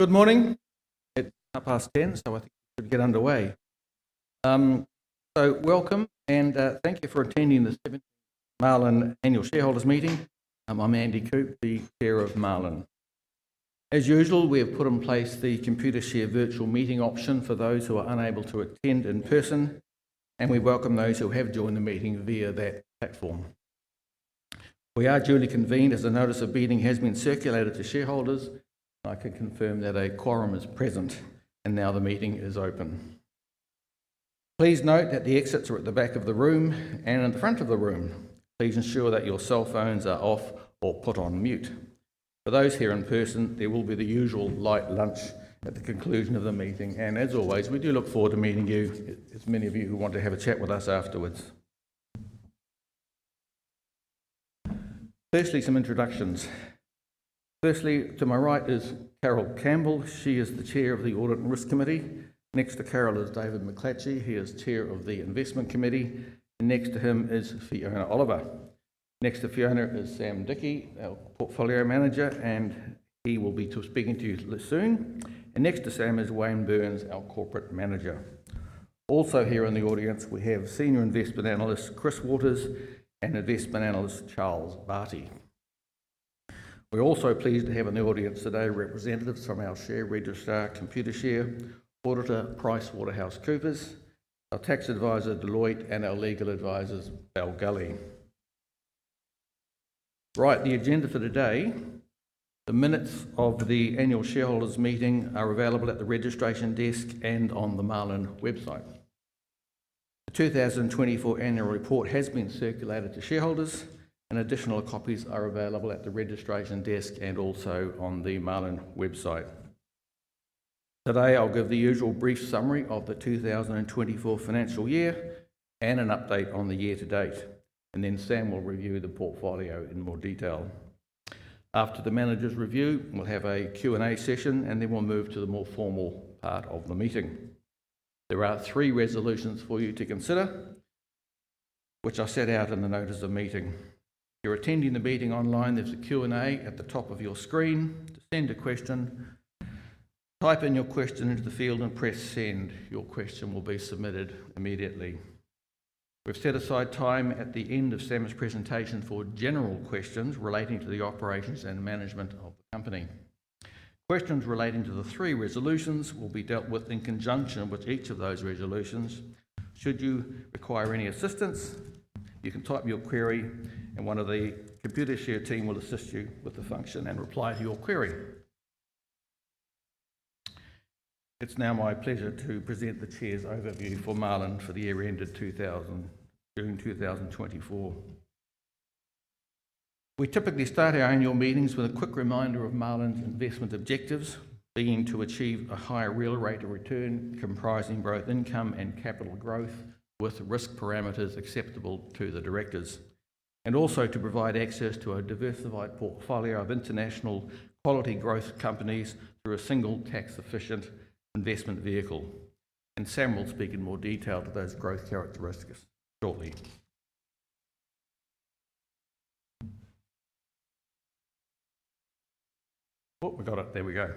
Good morning. It's 10:00 AM, so I think we should get underway. So welcome, and thank you for attending the 17th Marlin Annual Shareholders Meeting. I'm Andy Coupe, the Chair of Marlin. As usual, we have put in place the Computershare virtual meeting option for those who are unable to attend in person, and we welcome those who have joined the meeting via that platform. We are duly convened as a notice of meeting has been circulated to shareholders, and I can confirm that a quorum is present, and now the meeting is open. Please note that the exits are at the back of the room and in the front of the room. Please ensure that your cell phones are off or put on mute. For those here in person, there will be the usual light lunch at the conclusion of the meeting, and as always, we do look forward to meeting you, as many of you who want to have a chat with us afterwards. Firstly, some introductions. Firstly, to my right is Carol Campbell. She is the Chair of the Audit and Risk Committee. Next to Carol is David McClatchy. He is Chair of the Investment Committee. Next to him is Fiona Oliver. Next to Fiona is Sam Dickey, our Portfolio Manager, and he will be speaking to you soon. And next to Sam is Wayne Burns, our Corporate Manager. Also here in the audience, we have Senior Investment Analyst Chris Waters and Investment Analyst Charles Barty. We're also pleased to have in the audience today representatives from our share registrar, Computershare, auditor, PricewaterhouseCoopers, our tax advisor, Deloitte, and our legal advisors, Bell Gully. Right, the agenda for today. The minutes of the Annual Shareholders Meeting are available at the registration desk and on the Marlin website. The 2024 Annual Report has been circulated to shareholders, and additional copies are available at the registration desk and also on the Marlin website. Today, I'll give the usual brief summary of the 2024 financial year and an update on the year to date, and then Sam will review the portfolio in more detail. After the managers review, we'll have a Q&A session, and then we'll move to the more formal part of the meeting. There are three resolutions for you to consider, which I set out in the notice of meeting. If you're attending the meeting online, there's a Q&A at the top of your screen. To send a question, type in your question into the field and press send. Your question will be submitted immediately. We've set aside time at the end of Sam's presentation for general questions relating to the operations and management of the company. Questions relating to the three resolutions will be dealt with in conjunction with each of those resolutions. Should you require any assistance, you can type your query, and one of the Computershare team will assist you with the function and reply to your query. It's now my pleasure to present the chair's overview for Marlin for the year ended June 2024. We typically start our annual meetings with a quick reminder of Marlin's investment objectives, being to achieve a high real rate of return comprising both income and capital growth with risk parameters acceptable to the directors, and also to provide access to a diversified portfolio of international quality growth companies through a single tax-efficient investment vehicle, and Sam will speak in more detail to those growth characteristics shortly. Oh, we got it. There we go.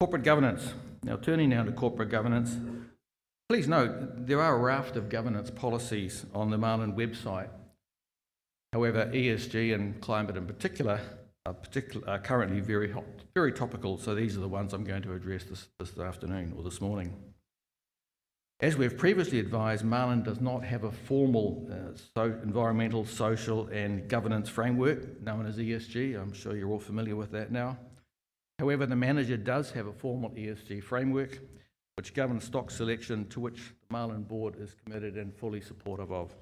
Corporate governance. Now, turning now to corporate governance, please note there are a raft of governance policies on the Marlin website. However, ESG and climate in particular are currently very topical, so these are the ones I'm going to address this afternoon or this morning. As we have previously advised, Marlin does not have a formal environmental, social, and governance framework known as ESG. I'm sure you're all familiar with that now. However, the manager does have a formal ESG framework, which governs stock selection to which the Marlin board is committed and fully supportive of.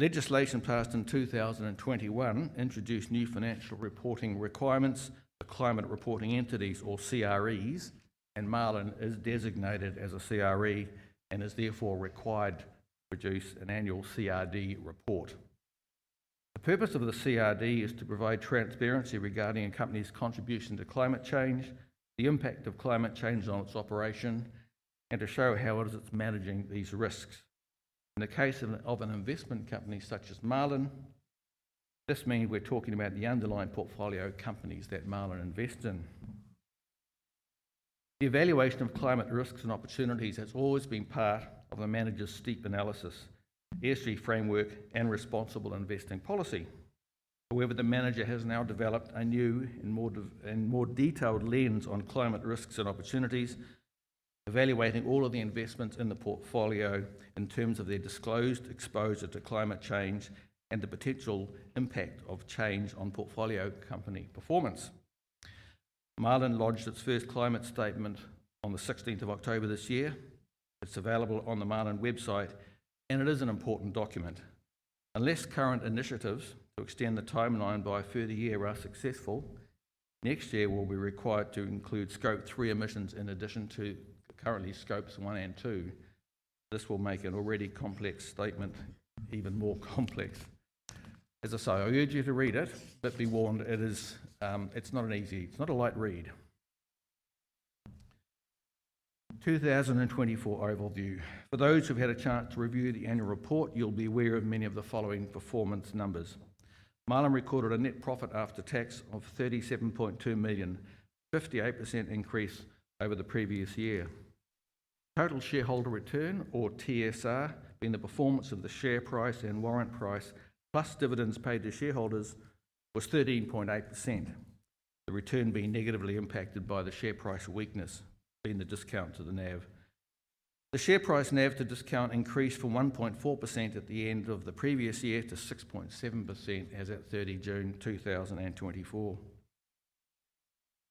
Legislation passed in 2021 introduced new financial reporting requirements for climate reporting entities, or CREs, and Marlin is designated as a CRE and is therefore required to produce an annual CRD report. The purpose of the CRD is to provide transparency regarding a company's contribution to climate change, the impact of climate change on its operation, and to show how it is managing these risks. In the case of an investment company such as Marlin, this means we're talking about the underlying portfolio companies that Marlin invests in. The evaluation of climate risks and opportunities has always been part of the manager's STEEP analysis, ESG framework, and responsible investing policy. However, the manager has now developed a new and more detailed lens on climate risks and opportunities, evaluating all of the investments in the portfolio in terms of their disclosed exposure to climate change and the potential impact of change on portfolio company performance. Marlin launched its first climate statement on the 16th of October this year. It's available on the Marlin website, and it is an important document. Unless current initiatives to extend the timeline by a further year are successful, next year we'll be required to include Scope 3 emissions in addition to currently Scopes 1 and 2. This will make an already complex statement even more complex. As I say, I urge you to read it, but be warned, it's not an easy-it's not a light read. 2024 overview. For those who've had a chance to review the annual report, you'll be aware of many of the following performance numbers. Marlin recorded a net profit after tax of 37.2 million, a 58% increase over the previous year. Total shareholder return, or TSR, being the performance of the share price and warrant price plus dividends paid to shareholders, was 13.8%. The return being negatively impacted by the share price weakness, being the discount to the NAV. The share price discount to NAV increased from 1.4% at the end of the previous year to 6.7% as at 30 June 2024.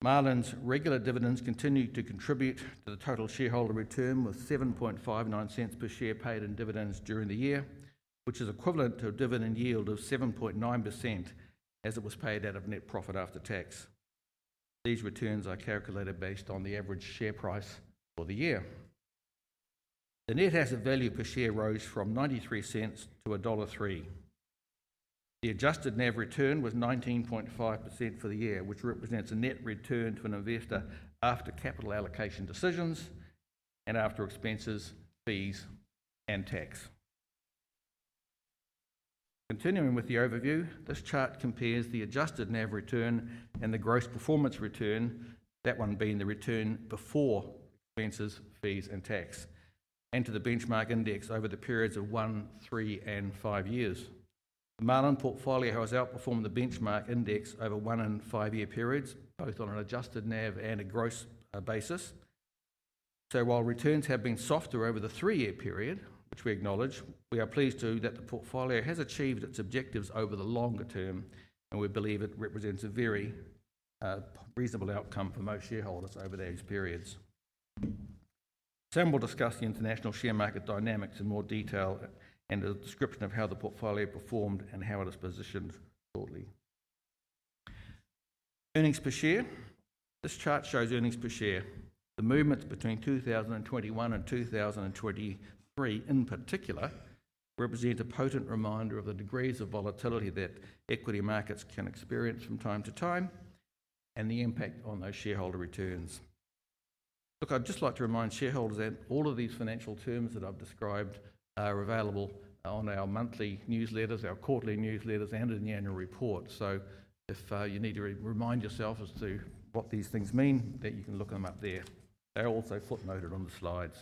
Marlin's regular dividends continue to contribute to the total shareholder return with 0.0759 per share paid in dividends during the year, which is equivalent to a dividend yield of 7.9% as it was paid out of net profit after tax. These returns are calculated based on the average share price for the year. The net asset value per share rose from 0.93 to 1.03. The adjusted NAV return was 19.5% for the year, which represents a net return to an investor after capital allocation decisions and after expenses, fees, and tax. Continuing with the overview, this chart compares the adjusted NAV return and the gross performance return, that one being the return before expenses, fees, and tax, and to the benchmark index over the periods of one, three, and five years. The Marlin portfolio has outperformed the benchmark index over one and five-year periods, both on an adjusted NAV and a gross basis. So while returns have been softer over the three-year period, which we acknowledge, we are pleased too that the portfolio has achieved its objectives over the longer term, and we believe it represents a very reasonable outcome for most shareholders over those periods. Sam will discuss the international share market dynamics in more detail and a description of how the portfolio performed and how it is positioned shortly. Earnings per share. This chart shows earnings per share. The movements between 2021 and 2023, in particular, represent a potent reminder of the degrees of volatility that equity markets can experience from time to time and the impact on those shareholder returns. Look, I'd just like to remind shareholders that all of these financial terms that I've described are available on our monthly newsletters, our quarterly newsletters, and in the annual report. If you need to remind yourself as to what these things mean, then you can look them up there. They're also footnoted on the slides.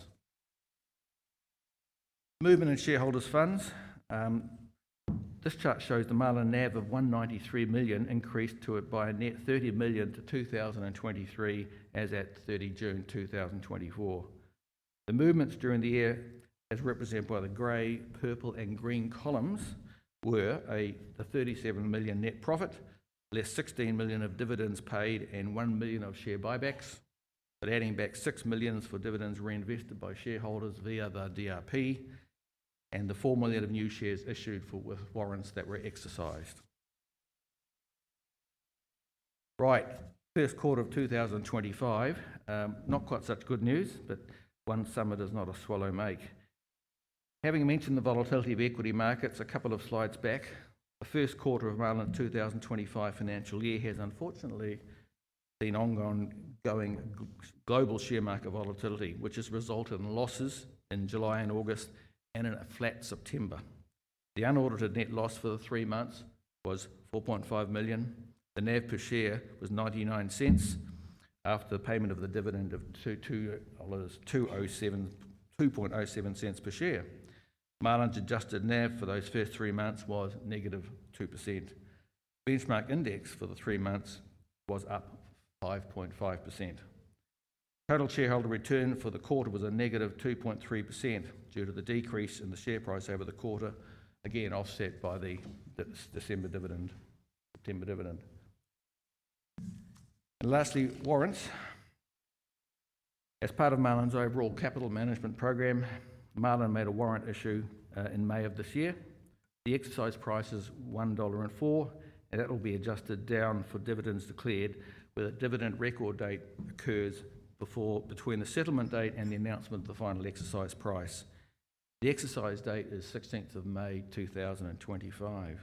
Movement in shareholders' funds. This chart shows the Marlin NAV of 193 million increased by a net 30 million to 223 million as at 30 June 2024. The movements during the year, as represented by the gray, purple, and green columns, were a 37 million net profit, less 16 million of dividends paid, and one million of share buybacks, but adding back six million for dividends reinvested by shareholders via the DRP and the four million of new shares issued with warrants that were exercised. Right, Q1 of 2025. Not quite such good news, but one summer does not a swallow make. Having mentioned the volatility of equity markets a couple of slides back, Q1 of Marlin's 2025 financial year has unfortunately seen ongoing global share market volatility, which has resulted in losses in July and August and in a flat September. The unrealized net loss for the three months was 4.5 million. The NAV per share was 0.99 after the payment of the dividend of 0.0207 per share. Marlin's adjusted NAV for those first three months was -2%. Benchmark index for the three months was up 5.5%. Total shareholder return for the quarter was a -2.3% due to the decrease in the share price over the quarter, again offset by the December dividend, September dividend. Lastly, warrants. As part of Marlin's overall capital management program, Marlin made a warrant issue in May of this year. The exercise price is $1.04, and it will be adjusted down for dividends declared where the dividend record date occurs before between the settlement date and the announcement of the final exercise price. The exercise date is 16th of May 2025.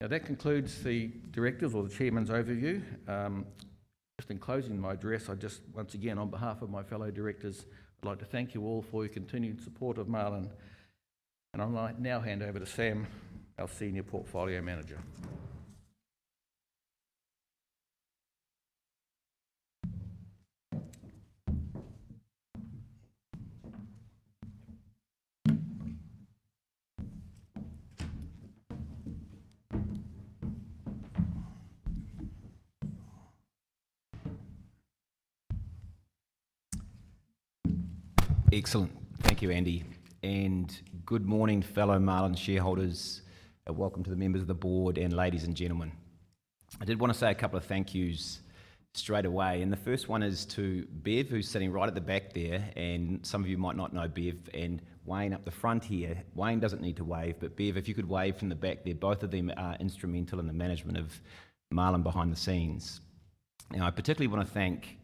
Now, that concludes the directors' or the chairman's overview. Just in closing my address, I just once again, on behalf of my fellow directors, I'd like to thank you all for your continued support of Marlin. I'll now hand over to Sam, our senior portfolio manager. Excellent. Thank you, Andy. Good morning, fellow Marlin shareholders, and welcome to the members of the board and ladies and gentlemen. I did want to say a couple of thank yous straight away. The first one is to Bev, who's sitting right at the back there. And some of you might not know Bev and Wayne up the front here. Wayne doesn't need to wave, but Bev, if you could wave from the back there, both of them are instrumental in the management of Marlin behind the scenes. Now, I particularly want to thank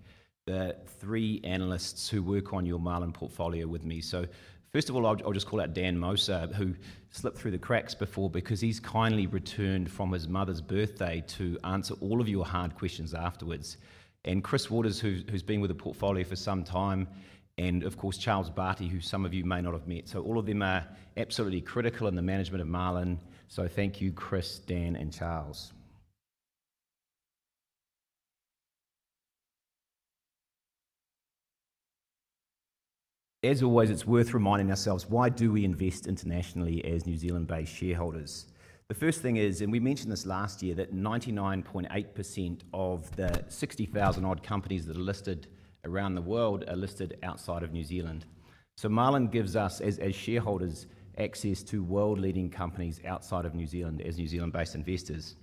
the three analysts who work on your Marlin portfolio with me. So first of all, I'll just call out Dan Moser, who slipped through the cracks before because he's kindly returned from his mother's birthday to answer all of your hard questions afterwards. And Chris Waters, who's been with the portfolio for some time, and of course, Charles Barty, who some of you may not have met. So all of them are absolutely critical in the management of Marlin. So thank you, Chris, Dan, and Charles. As always, it's worth reminding ourselves, why do we invest internationally as New Zealand-based shareholders? The first thing is, and we mentioned this last year, that 99.8% of the 60,000-odd companies that are listed around the world are listed outside of New Zealand. So Marlin gives us, as shareholders, access to world-leading companies outside of New Zealand as New Zealand-based investors.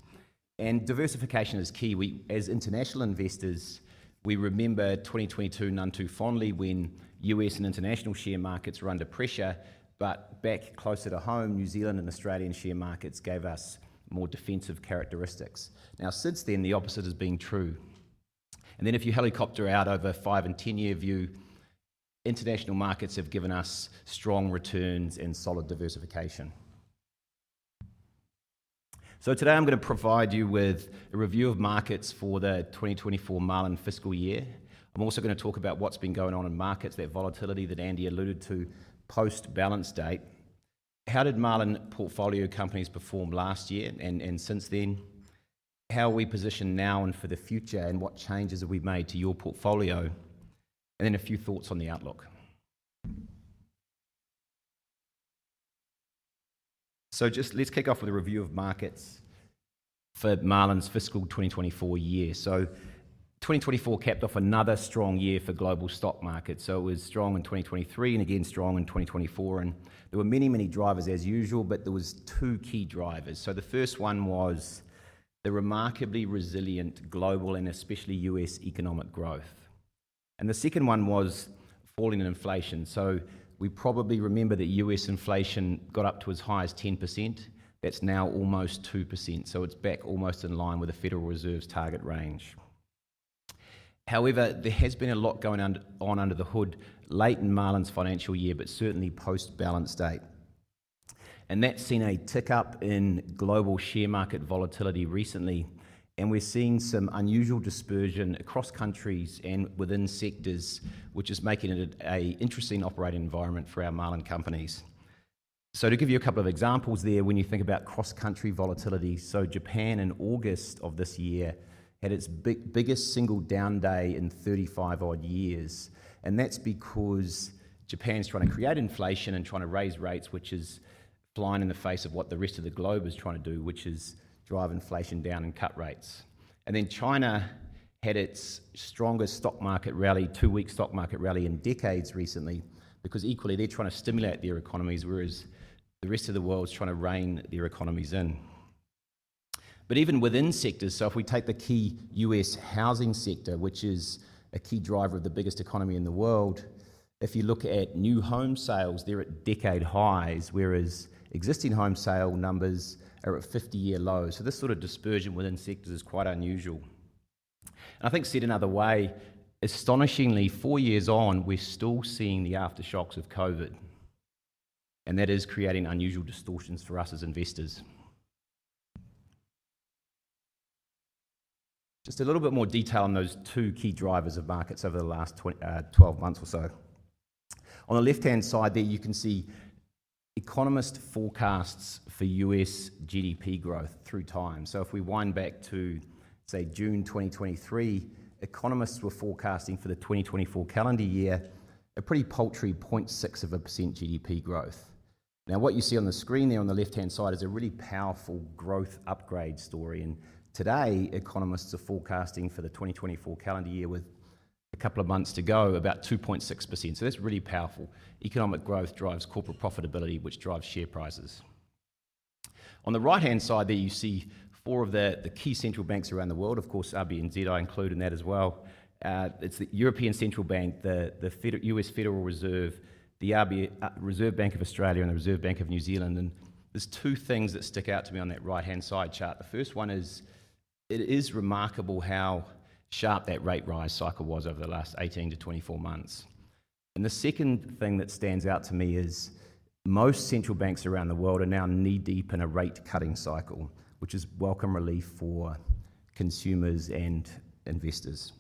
And diversification is key. As international investors, we remember 2022 none too fondly when U.S. and international share markets were under pressure, but back closer to home, New Zealand and Australian share markets gave us more defensive characteristics. Now, since then, the opposite has been true. And then if you helicopter out over a five and ten-year view, international markets have given us strong returns and solid diversification. So today I'm going to provide you with a review of markets for the 2024 Marlin fiscal year. I'm also going to talk about what's been going on in markets, that volatility that Andy alluded to post-balance date. How did Marlin portfolio companies perform last year and since then? How are we positioned now and for the future, and what changes have we made to your portfolio? And then a few thoughts on the outlook. So just let's kick off with a review of markets for Marlin's fiscal 2024 year. So 2024 capped off another strong year for global stock markets. So it was strong in 2023 and again strong in 2024. And there were many, many drivers, as usual, but there were two key drivers. So the first one was the remarkably resilient global and especially U.S. economic growth. And the second one was falling inflation. So we probably remember that U.S. inflation got up to as high as 10%. That's now almost 2%. It's back almost in line with the Federal Reserve's target range. However, there has been a lot going on under the hood late in Marlin's financial year, but certainly post-balance date. That's seen a tick up in global share market volatility recently. We're seeing some unusual dispersion across countries and within sectors, which is making it an interesting operating environment for our Marlin companies. To give you a couple of examples there, when you think about cross-country volatility, Japan in August of this year had its biggest single down day in 35-odd years. That's because Japan's trying to create inflation and trying to raise rates, which is flying in the face of what the rest of the globe is trying to do, which is drive inflation down and cut rates. Then China had its strongest stock market rally, two-week stock market rally in decades recently, because equally, they're trying to stimulate their economies, whereas the rest of the world's trying to rein their economies in. But even within sectors, so if we take the key U.S. housing sector, which is a key driver of the biggest economy in the world, if you look at new home sales, they're at decade highs, whereas existing home sale numbers are at 50-year lows. So this sort of dispersion within sectors is quite unusual. I think said another way, astonishingly, four years on, we're still seeing the aftershocks of COVID. And that is creating unusual distortions for us as investors. Just a little bit more detail on those two key drivers of markets over the last 12 months or so. On the left-hand side there, you can see economist forecasts for U.S. GDP growth through time. So if we wind back to, say, June 2023, economists were forecasting for the 2024 calendar year a pretty paltry 0.6% of a percent GDP growth. Now, what you see on the screen there on the left-hand side is a really powerful growth upgrade story. And today, economists are forecasting for the 2024 calendar year with a couple of months to go, about 2.6%. So that's really powerful. Economic growth drives corporate profitability, which drives share prices. On the right-hand side there, you see four of the key central banks around the world. Of course, RBNZ I include in that as well. It's the European Central Bank, the U.S. Federal Reserve, the Reserve Bank of Australia, and the Reserve Bank of New Zealand. And there's two things that stick out to me on that right-hand side chart. The first one is it is remarkable how sharp that rate rise cycle was over the last 18 to 24 months. The second thing that stands out to me is most central banks around the world are now knee-deep in a rate-cutting cycle, which is welcome relief for consumers and investors.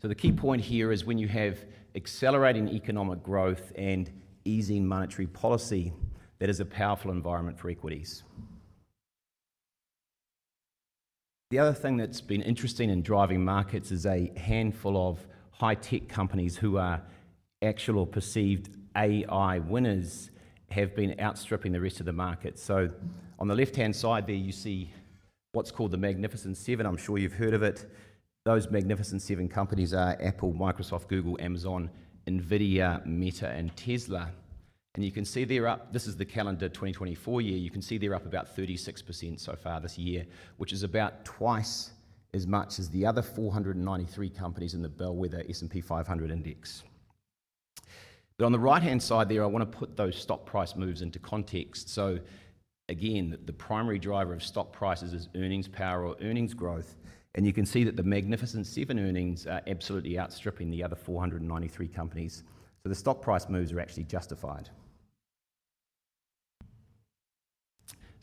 So the key point here is when you have accelerating economic growth and easing monetary policy, that is a powerful environment for equities. The other thing that's been interesting in driving markets is a handful of high-tech companies who are actual or perceived AI winners have been outstripping the rest of the market. So on the left-hand side there, you see what's called the Magnificent Seven. I'm sure you've heard of it. Those Magnificent Seven companies are Apple, Microsoft, Google, Amazon, Nvidia, Meta, and Tesla. And you can see they're up. This is the calendar 2024 year. You can see they're up about 36% so far this year, which is about twice as much as the other 493 companies in the bellwether S&P 500 Index. But on the right-hand side there, I want to put those stock price moves into context. So again, the primary driver of stock prices is earnings power or earnings growth. And you can see that the Magnificent Seven earnings are absolutely outstripping the other 493 companies. So the stock price moves are actually justified.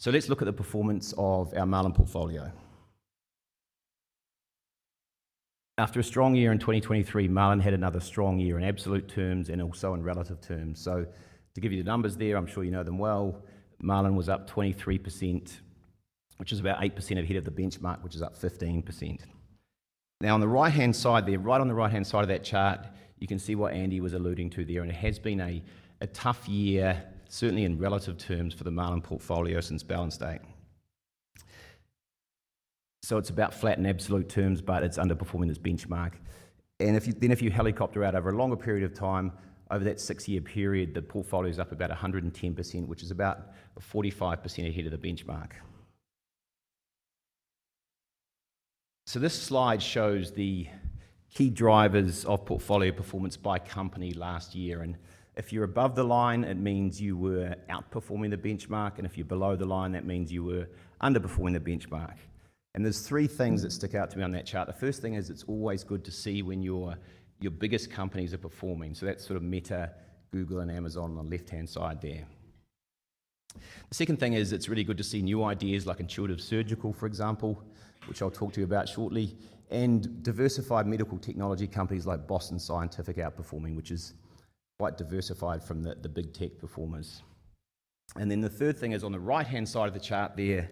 So let's look at the performance of our Marlin portfolio. After a strong year in 2023, Marlin had another strong year in absolute terms and also in relative terms. So to give you the numbers there, I'm sure you know them well. Marlin was up 23%, which is about 8% ahead of the benchmark, which is up 15%. Now, on the right-hand side there, right on the right-hand side of that chart, you can see what Andy was alluding to there. And it has been a tough year, certainly in relative terms for the Marlin portfolio since balance date. So it's about flat in absolute terms, but it's underperforming this benchmark. And then if you helicopter out over a longer period of time, over that six-year period, the portfolio is up about 110%, which is about 45% ahead of the benchmark. So this slide shows the key drivers of portfolio performance by company last year. And if you're above the line, it means you were outperforming the benchmark. And if you're below the line, that means you were underperforming the benchmark. There's three things that stick out to me on that chart. The first thing is it's always good to see when your biggest companies are performing. So that's sort of Meta, Google, and Amazon on the left-hand side there. The second thing is it's really good to see new ideas like Intuitive Surgical, for example, which I'll talk to you about shortly, and diversified medical technology companies like Boston Scientific outperforming, which is quite diversified from the big tech performers. And then the third thing is on the right-hand side of the chart there,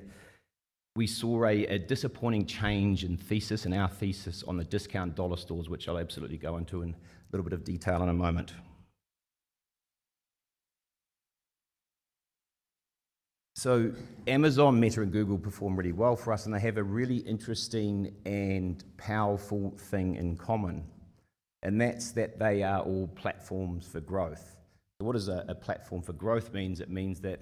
we saw a disappointing change in thesis and our thesis on the discount dollar stores, which I'll absolutely go into in a little bit of detail in a moment. So Amazon, Meta, and Google perform really well for us, and they have a really interesting and powerful thing in common. And that's why they are all platforms for growth. So what does a platform for growth mean? It means that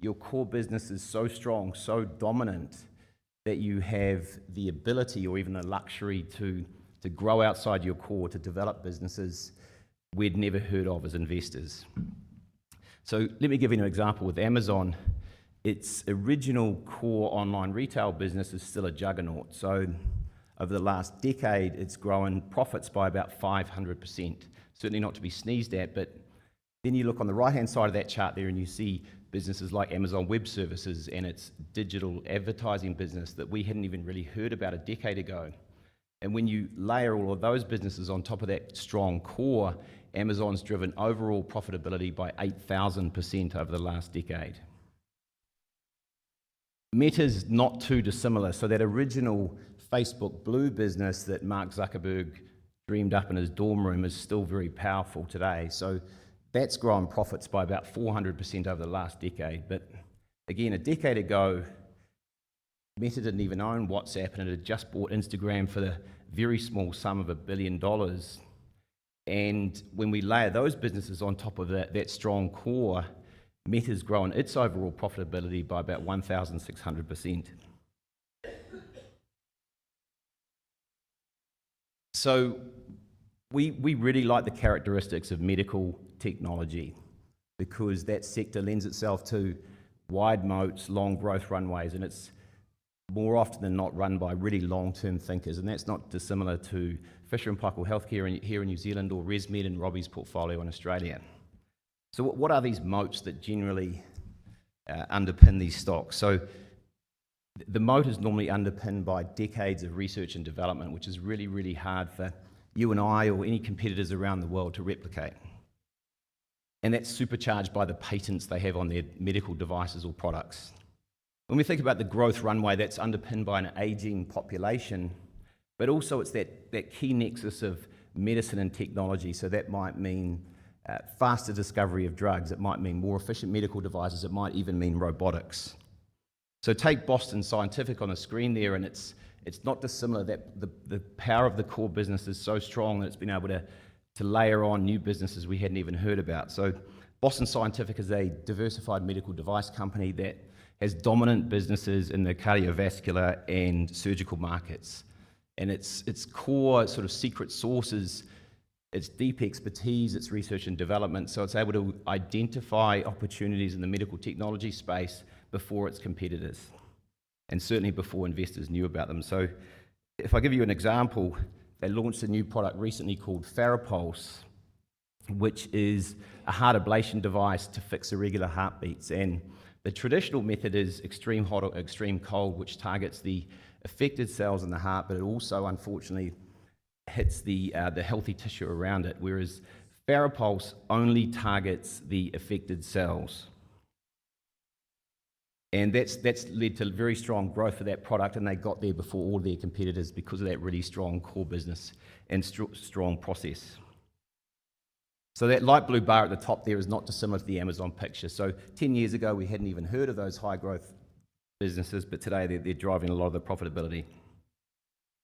your core business is so strong, so dominant, that you have the ability or even the luxury to grow outside your core to develop businesses we'd never heard of as investors. So let me give you an example with Amazon. Its original core online retail business is still a juggernaut. So over the last decade, it's grown profits by about 500%. Certainly not to be sneezed at. But then you look on the right-hand side of that chart there, and you see businesses like Amazon Web Services and its digital advertising business that we hadn't even really heard about a decade ago. And when you layer all of those businesses on top of that strong core, Amazon's driven overall profitability by 8,000% over the last decade. Meta's not too dissimilar. That original Facebook Blue business that Mark Zuckerberg dreamed up in his dorm room is still very powerful today. That's grown profits by about 400% over the last decade. But again, a decade ago, Meta didn't even own WhatsApp, and it had just bought Instagram for a very small sum of $1 billion. When we layer those businesses on top of that strong core, Meta's grown its overall profitability by about 1,600%. We really like the characteristics of medical technology because that sector lends itself to wide moats, long growth runways, and it's more often than not run by really long-term thinkers. That's not dissimilar to Fisher & Paykel Healthcare here in New Zealand or ResMed and Robbie's portfolio in Australia. What are these moats that generally underpin these stocks? So the moat is normally underpinned by decades of research and development, which is really, really hard for you and I or any competitors around the world to replicate. And that's supercharged by the patents they have on their medical devices or products. When we think about the growth runway, that's underpinned by an aging population, but also it's that key nexus of medicine and technology. So that might mean faster discovery of drugs. It might mean more efficient medical devices. It might even mean robotics. So take Boston Scientific on the screen there, and it's not dissimilar that the power of the core business is so strong that it's been able to layer on new businesses we hadn't even heard about. So Boston Scientific is a diversified medical device company that has dominant businesses in the cardiovascular and surgical markets. Its core sort of secret sauce, its deep expertise, its research and development, so it's able to identify opportunities in the medical technology space before its competitors and certainly before investors knew about them. If I give you an example, they launched a new product recently called FARAPULSE, which is a heart ablation device to fix irregular heartbeats. The traditional method is extreme heat or extreme cold, which targets the affected cells in the heart, but it also unfortunately hits the healthy tissue around it, whereas FARAPULSE only targets the affected cells. That's led to very strong growth for that product, and they got there before all their competitors because of that really strong core business and strong process. That light blue bar at the top there is not dissimilar to the Amazon picture. Ten years ago, we hadn't even heard of those high-growth businesses, but today they're driving a lot of the profitability.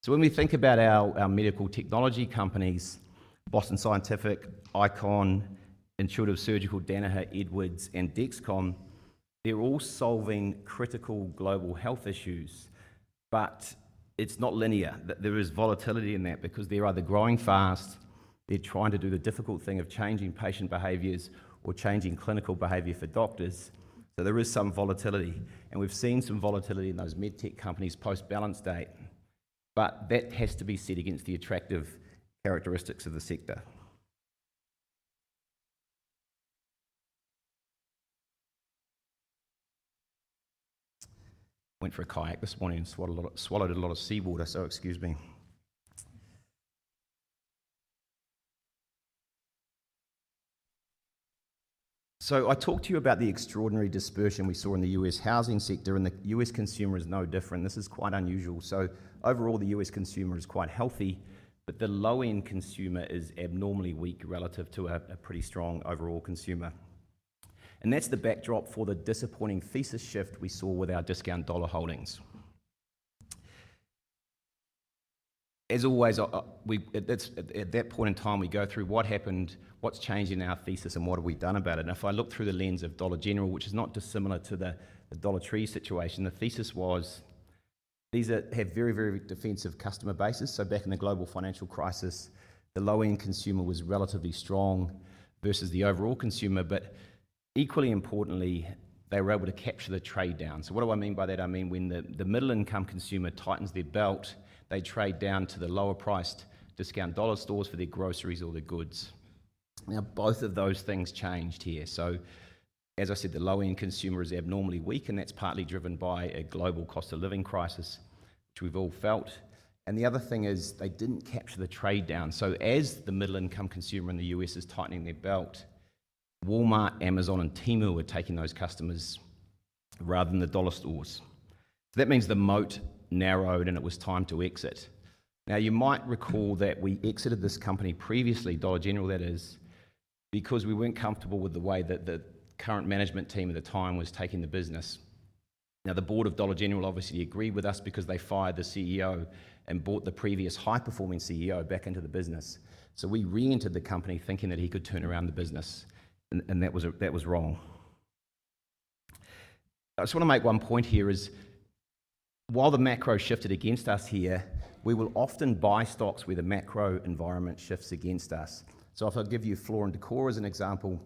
When we think about our medical technology companies, Boston Scientific, ICON, Intuitive Surgical, Danaher, Edwards, and Dexcom, they're all solving critical global health issues, but it's not linear. There is volatility in that because they're either growing fast, they're trying to do the difficult thing of changing patient behaviors or changing clinical behavior for doctors. So there is some volatility. We've seen some volatility in those med tech companies post-balance date, but that has to be set against the attractive characteristics of the sector. Went for a kayak this morning and swallowed a lot of seawater, so excuse me. I talked to you about the extraordinary dispersion we saw in the U.S. housing sector, and the U.S. consumer is no different. This is quite unusual. So overall, the U.S. consumer is quite healthy, but the low-end consumer is abnormally weak relative to a pretty strong overall consumer. And that's the backdrop for the disappointing thesis shift we saw with our discount dollar holdings. As always, at that point in time, we go through what happened, what's changed in our thesis, and what have we done about it. And if I look through the lens of Dollar General, which is not dissimilar to the Dollar Tree situation, the thesis was these have very, very defensive customer bases. So back in the global financial crisis, the low-end consumer was relatively strong versus the overall consumer, but equally importantly, they were able to capture the trade down. So what do I mean by that? I mean when the middle-income consumer tightens their belt, they trade down to the lower-priced discount dollar stores for their groceries or their goods. Now, both of those things changed here. So as I said, the low-end consumer is abnormally weak, and that's partly driven by a global cost-of-living crisis, which we've all felt. And the other thing is they didn't capture the trade down. So as the middle-income consumer in the U.S. is tightening their belt, Walmart, Amazon, and Temu are taking those customers rather than the dollar stores. So that means the moat narrowed, and it was time to exit. Now, you might recall that we exited this company previously, Dollar General, that is, because we weren't comfortable with the way that the current management team at the time was taking the business. Now, the board of Dollar General obviously agreed with us because they fired the CEO and brought the previous high-performing CEO back into the business. We re-entered the company thinking that he could turn around the business, and that was wrong. I just want to make one point here is while the macro shifted against us here, we will often buy stocks where the macro environment shifts against us. So if I give you Floor & Decor as an example,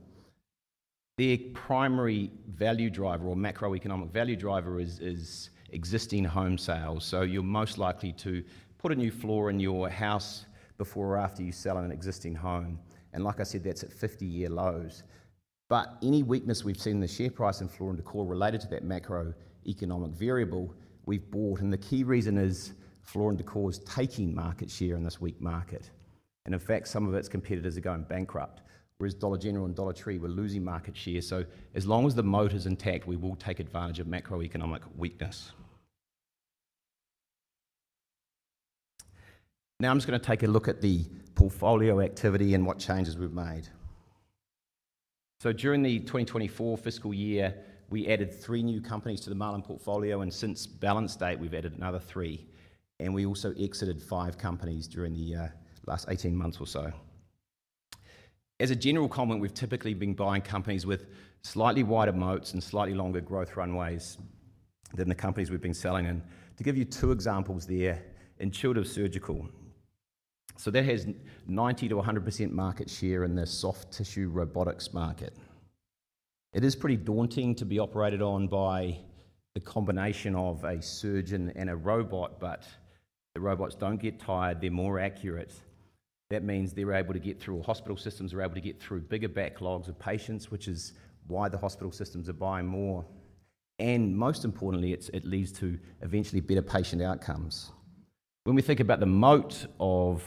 their primary value driver or macroeconomic value driver is existing home sales. So you're most likely to put a new floor in your house before or after you sell an existing home. Like I said, that's at 50-year lows. But any weakness we've seen in the share price and Floor & Decor related to that macroeconomic variable, we've bought and the key reason is Floor & Decor is taking market share in this weak market. In fact, some of its competitors are going bankrupt, whereas Dollar General and Dollar Tree were losing market share. So as long as the moat is intact, we will take advantage of macroeconomic weakness. Now I'm just going to take a look at the portfolio activity and what changes we've made. So during the 2024 fiscal year, we added three new companies to the Marlin portfolio, and since balance date, we've added another three. And we also exited five companies during the last 18 months or so. As a general comment, we've typically been buying companies with slightly wider moats and slightly longer growth runways than the companies we've been selling in. To give you two examples there, Intuitive Surgical. So that has 90% to 100% market share in the soft tissue robotics market. It is pretty daunting to be operated on by the combination of a surgeon and a robot, but the robots don't get tired. They're more accurate. That means they're able to get through hospital systems, they're able to get through bigger backlogs of patients, which is why the hospital systems are buying more. And most importantly, it leads to eventually better patient outcomes. When we think about the moat of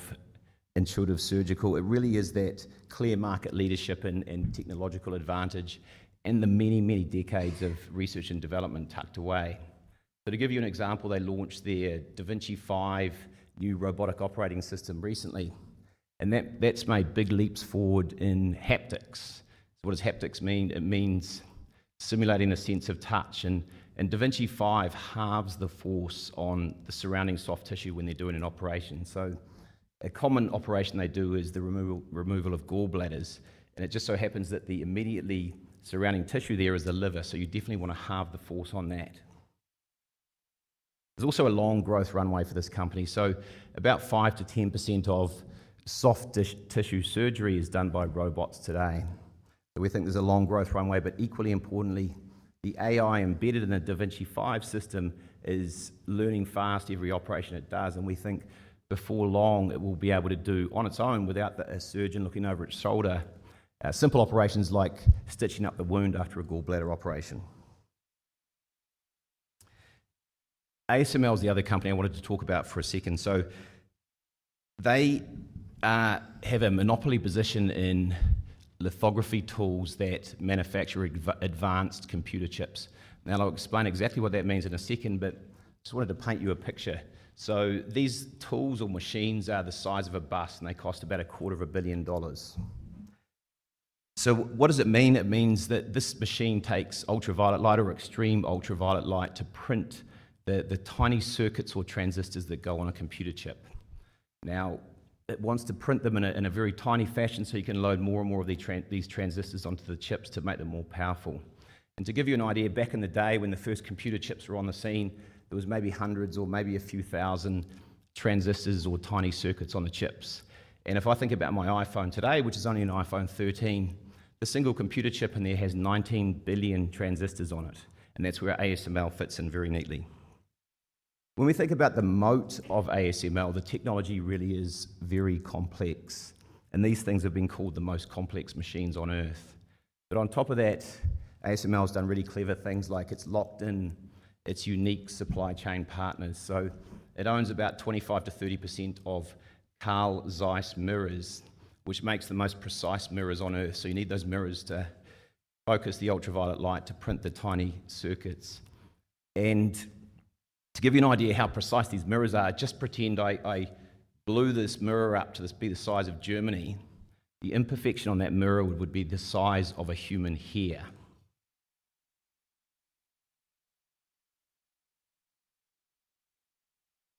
Intuitive Surgical, it really is that clear market leadership and technological advantage and the many, many decades of research and development tucked away. So to give you an example, they launched their da Vinci 5 new robotic operating system recently, and that's made big leaps forward in haptics. So what does haptics mean? It means simulating a sense of touch. And da Vinci 5 halves the force on the surrounding soft tissue when they're doing an operation. A common operation they do is the removal of gallbladders. It just so happens that the immediately surrounding tissue there is the liver, so you definitely want to halve the force on that. There's also a long growth runway for this company. About 5% to 10% of soft tissue surgery is done by robots today. We think there's a long growth runway, but equally importantly, the AI embedded in a Da Vinci 5 system is learning fast every operation it does. We think before long it will be able to do on its own without a surgeon looking over its shoulder, simple operations like stitching up the wound after a gallbladder operation. ASML is the other company I wanted to talk about for a second. They have a monopoly position in lithography tools that manufacture advanced computer chips. Now I'll explain exactly what that means in a second, but I just wanted to paint you a picture. So these tools or machines are the size of a bus, and they cost about $250 million. So what does it mean? It means that this machine takes ultraviolet light or extreme ultraviolet light to print the tiny circuits or transistors that go on a computer chip. Now it wants to print them in a very tiny fashion so you can load more and more of these transistors onto the chips to make them more powerful. And to give you an idea, back in the day when the first computer chips were on the scene, there was maybe hundreds or maybe a few thousand transistors or tiny circuits on the chips. If I think about my iPhone today, which is only an iPhone 13, the single computer chip in there has 19 billion transistors on it, and that's where ASML fits in very neatly. When we think about the moat of ASML, the technology really is very complex, and these things have been called the most complex machines on earth. But on top of that, ASML has done really clever things like it's locked in its unique supply chain partners. So it owns about 25% to 30% of Carl Zeiss mirrors, which makes the most precise mirrors on earth. So you need those mirrors to focus the ultraviolet light to print the tiny circuits. And to give you an idea how precise these mirrors are, just pretend I blew this mirror up to be the size of Germany. The imperfection on that mirror would be the size of a human hair.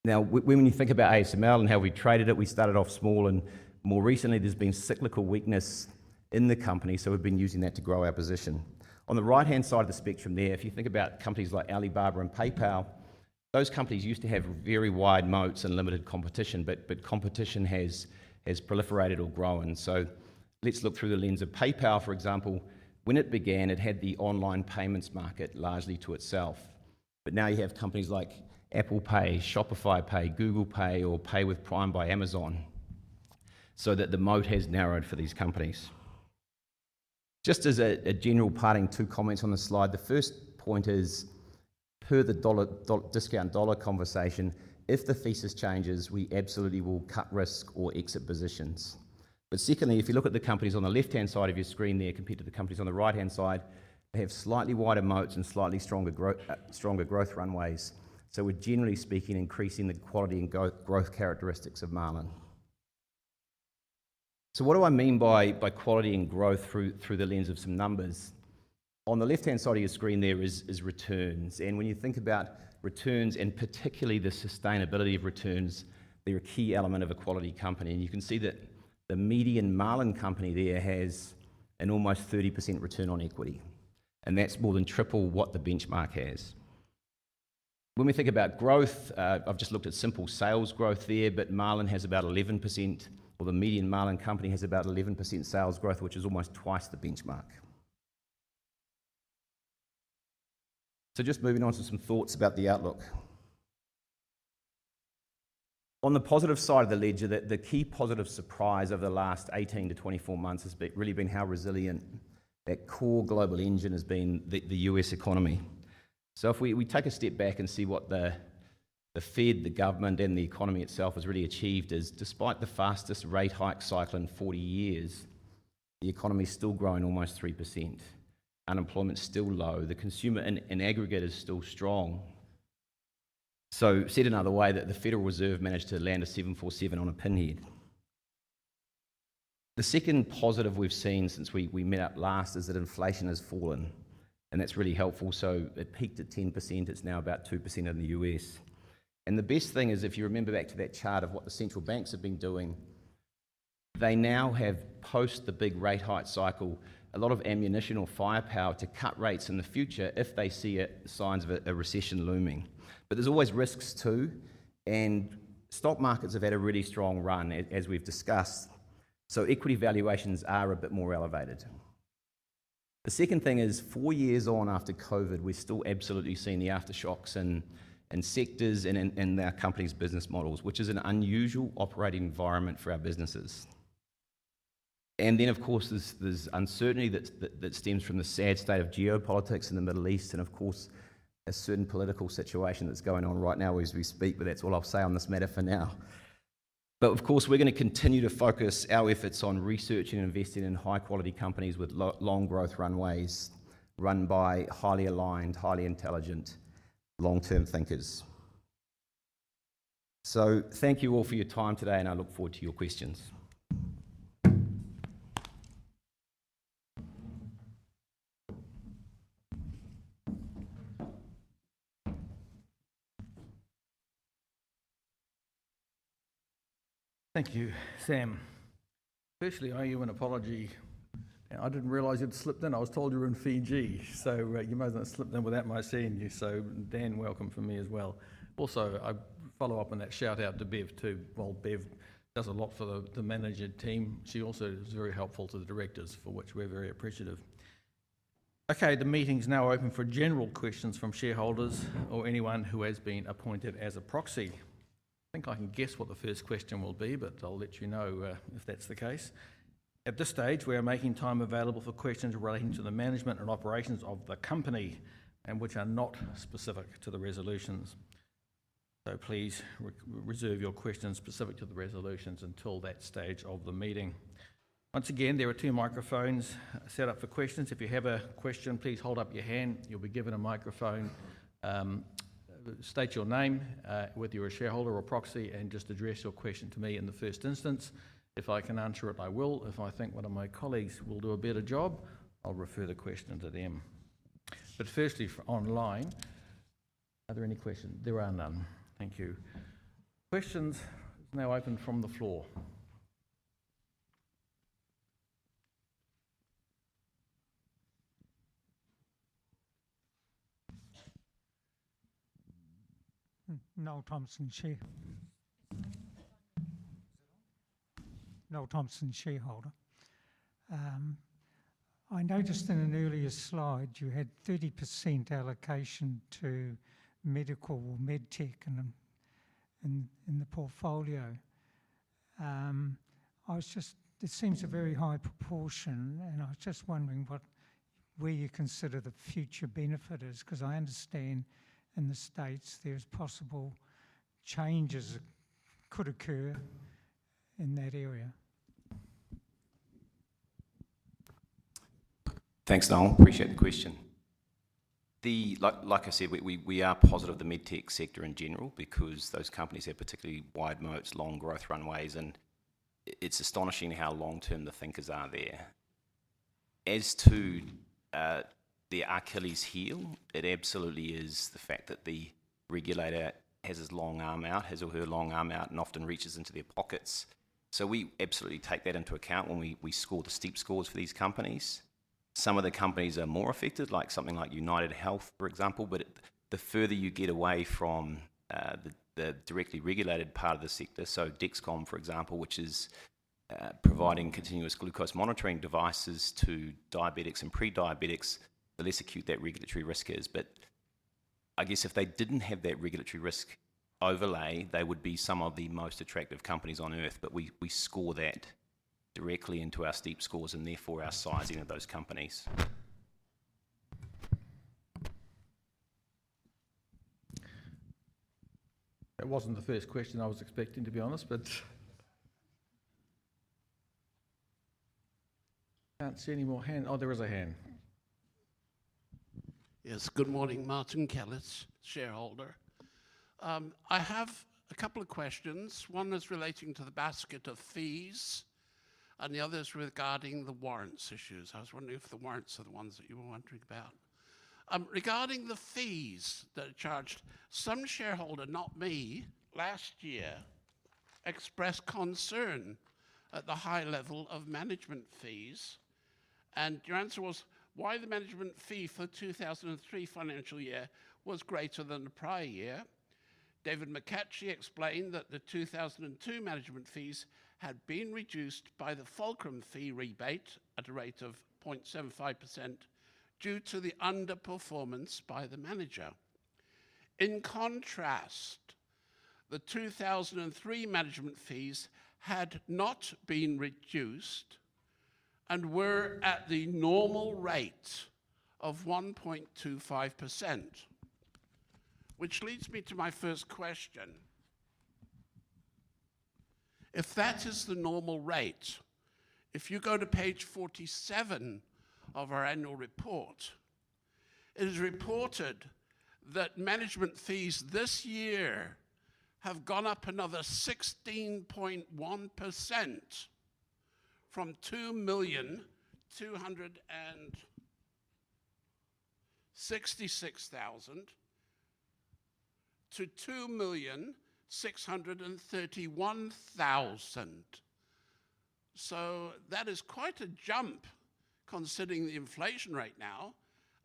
Now, when you think about ASML and how we traded it, we started off small, and more recently there's been cyclical weakness in the company, so we've been using that to grow our position. On the right-hand side of the spectrum there, if you think about companies like Alibaba and PayPal, those companies used to have very wide moats and limited competition, but competition has proliferated or grown. So let's look through the lens of PayPal, for example. When it began, it had the online payments market largely to itself, but now you have companies like Apple Pay, Shopify Pay, Google Pay, or Pay with Prime by Amazon, so that the moat has narrowed for these companies. Just as a general parting two comments on the slide, the first point is, per the discount dollar conversation, if the thesis changes, we absolutely will cut risk or exit positions. But secondly, if you look at the companies on the left-hand side of your screen there, compared to the companies on the right-hand side, they have slightly wider moats and slightly stronger growth runways. So we're generally speaking increasing the quality and growth characteristics of Marlin. So what do I mean by quality and growth through the lens of some numbers? On the left-hand side of your screen there is returns. And when you think about returns, and particularly the sustainability of returns, they're a key element of a quality company. And you can see that the median Marlin company there has an almost 30% return on equity, and that's more than triple what the benchmark has. When we think about growth, I've just looked at simple sales growth there, but Marlin has about 11%, or the median Marlin company has about 11% sales growth, which is almost twice the benchmark. So just moving on to some thoughts about the outlook. On the positive side of the ledger, the key positive surprise over the last 18 to 24 months has really been how resilient that core global engine has been, the U.S. economy. So if we take a step back and see what the Fed, the government, and the economy itself has really achieved, despite the fastest rate hike cycle in 40 years, the economy is still growing almost 3%. Unemployment is still low. The consumer and aggregate is still strong. So said another way, the Federal Reserve managed to land a 747 on a pinhead. The second positive we've seen since we met up last is that inflation has fallen, and that's really helpful. So it peaked at 10%. It's now about 2% in the U.S. And the best thing is, if you remember back to that chart of what the central banks have been doing, they now have, post the big rate hike cycle, a lot of ammunition or firepower to cut rates in the future if they see signs of a recession looming. But there's always risks too, and stock markets have had a really strong run, as we've discussed. So equity valuations are a bit more elevated. The second thing is, four years on after COVID, we're still absolutely seeing the aftershocks in sectors and our company's business models, which is an unusual operating environment for our businesses. And then, of course, there's uncertainty that stems from the sad state of geopolitics in the Middle East, and of course, a certain political situation that's going on right now as we speak, but that's all I'll say on this matter for now. But of course, we're going to continue to focus our efforts on research and investing in high-quality companies with long growth runways run by highly aligned, highly intelligent long-term thinkers. So thank you all for your time today, and I look forward to your questions. Thank you, Sam. Firstly, I owe you an apology. I didn't realize you'd slipped in. I was told you were in Fiji, so you might as well have slipped in without my seeing you. So Dan, welcome from me as well. Also, I follow up on that shout-out to Bev too. Well, Bev does a lot for the manager team. She also is very helpful to the directors, for which we're very appreciative. Okay, the meeting is now open for general questions from shareholders or anyone who has been appointed as a proxy. I think I can guess what the first question will be, but I'll let you know if that's the case. At this stage, we are making time available for questions relating to the management and operations of the company, which are not specific to the resolutions. So please reserve your questions specific to the resolutions until that stage of the meeting. Once again, there are two microphones set up for questions. If you have a question, please hold up your hand. You'll be given a microphone. State your name, whether you're a shareholder or proxy, and just address your question to me in the first instance. If I can answer it, I will. If I think one of my colleagues will do a better job, I'll refer the question to them. But firstly, online, are there any questions? There are none. Thank you. Questions are now open from the floor. Noel Thompson, shareholder. I noticed in an earlier slide you had 30% allocation to medical, medtech, and in the portfolio. It seems a very high proportion, and I was just wondering where you consider the future benefit is, because I understand in the States there's possible changes that could occur in that area. Thanks, Noel. Appreciate the question. Like I said, we are positive of the medtech sector in general because those companies have particularly wide moats, long growth runways, and it's astonishing how long-term the thinkers are there. As to the Achilles heel, it absolutely is the fact that the regulator has his long arm out, has all her long arm out, and often reaches into their pockets. So we absolutely take that into account when we score the steep scores for these companies. Some of the companies are more affected, like something like UnitedHealth, for example, but the further you get away from the directly regulated part of the sector, so Dexcom, for example, which is providing continuous glucose monitoring devices to diabetics and pre-diabetics, the less acute that regulatory risk is. But I guess if they didn't have that regulatory risk overlay, they would be some of the most attractive companies on earth, but we score that directly into our STEEP scores and therefore our sizing of those companies. That wasn't the first question I was expecting, to be honest, but I can't see any more hands. Oh, there is a hand. Yes, good morning, Martin Klietz, shareholder. I have a couple of questions. One is relating to the basket of fees, and the other is regarding the warrants issues. I was wondering if the warrants are the ones that you were wondering about. Regarding the fees that are charged, some shareholders, not me, last year expressed concern at the high level of management fees, and your answer was, Why the management fee for the 2003 financial year was greater than the prior year? David McClatchy explained that the 2002 management fees had been reduced by the Fulcrum fee rebate at a rate of 0.75% due to the underperformance by the manager. In contrast, the 2003 management fees had not been reduced and were at the normal rate of 1.25%, which leads me to my first question. If that is the normal rate, if you go to page 47 of our annual report, it is reported that management fees this year have gone up another 16.1% from NZD 2,266,000 to 2,631,000. So that is quite a jump considering the inflation rate now,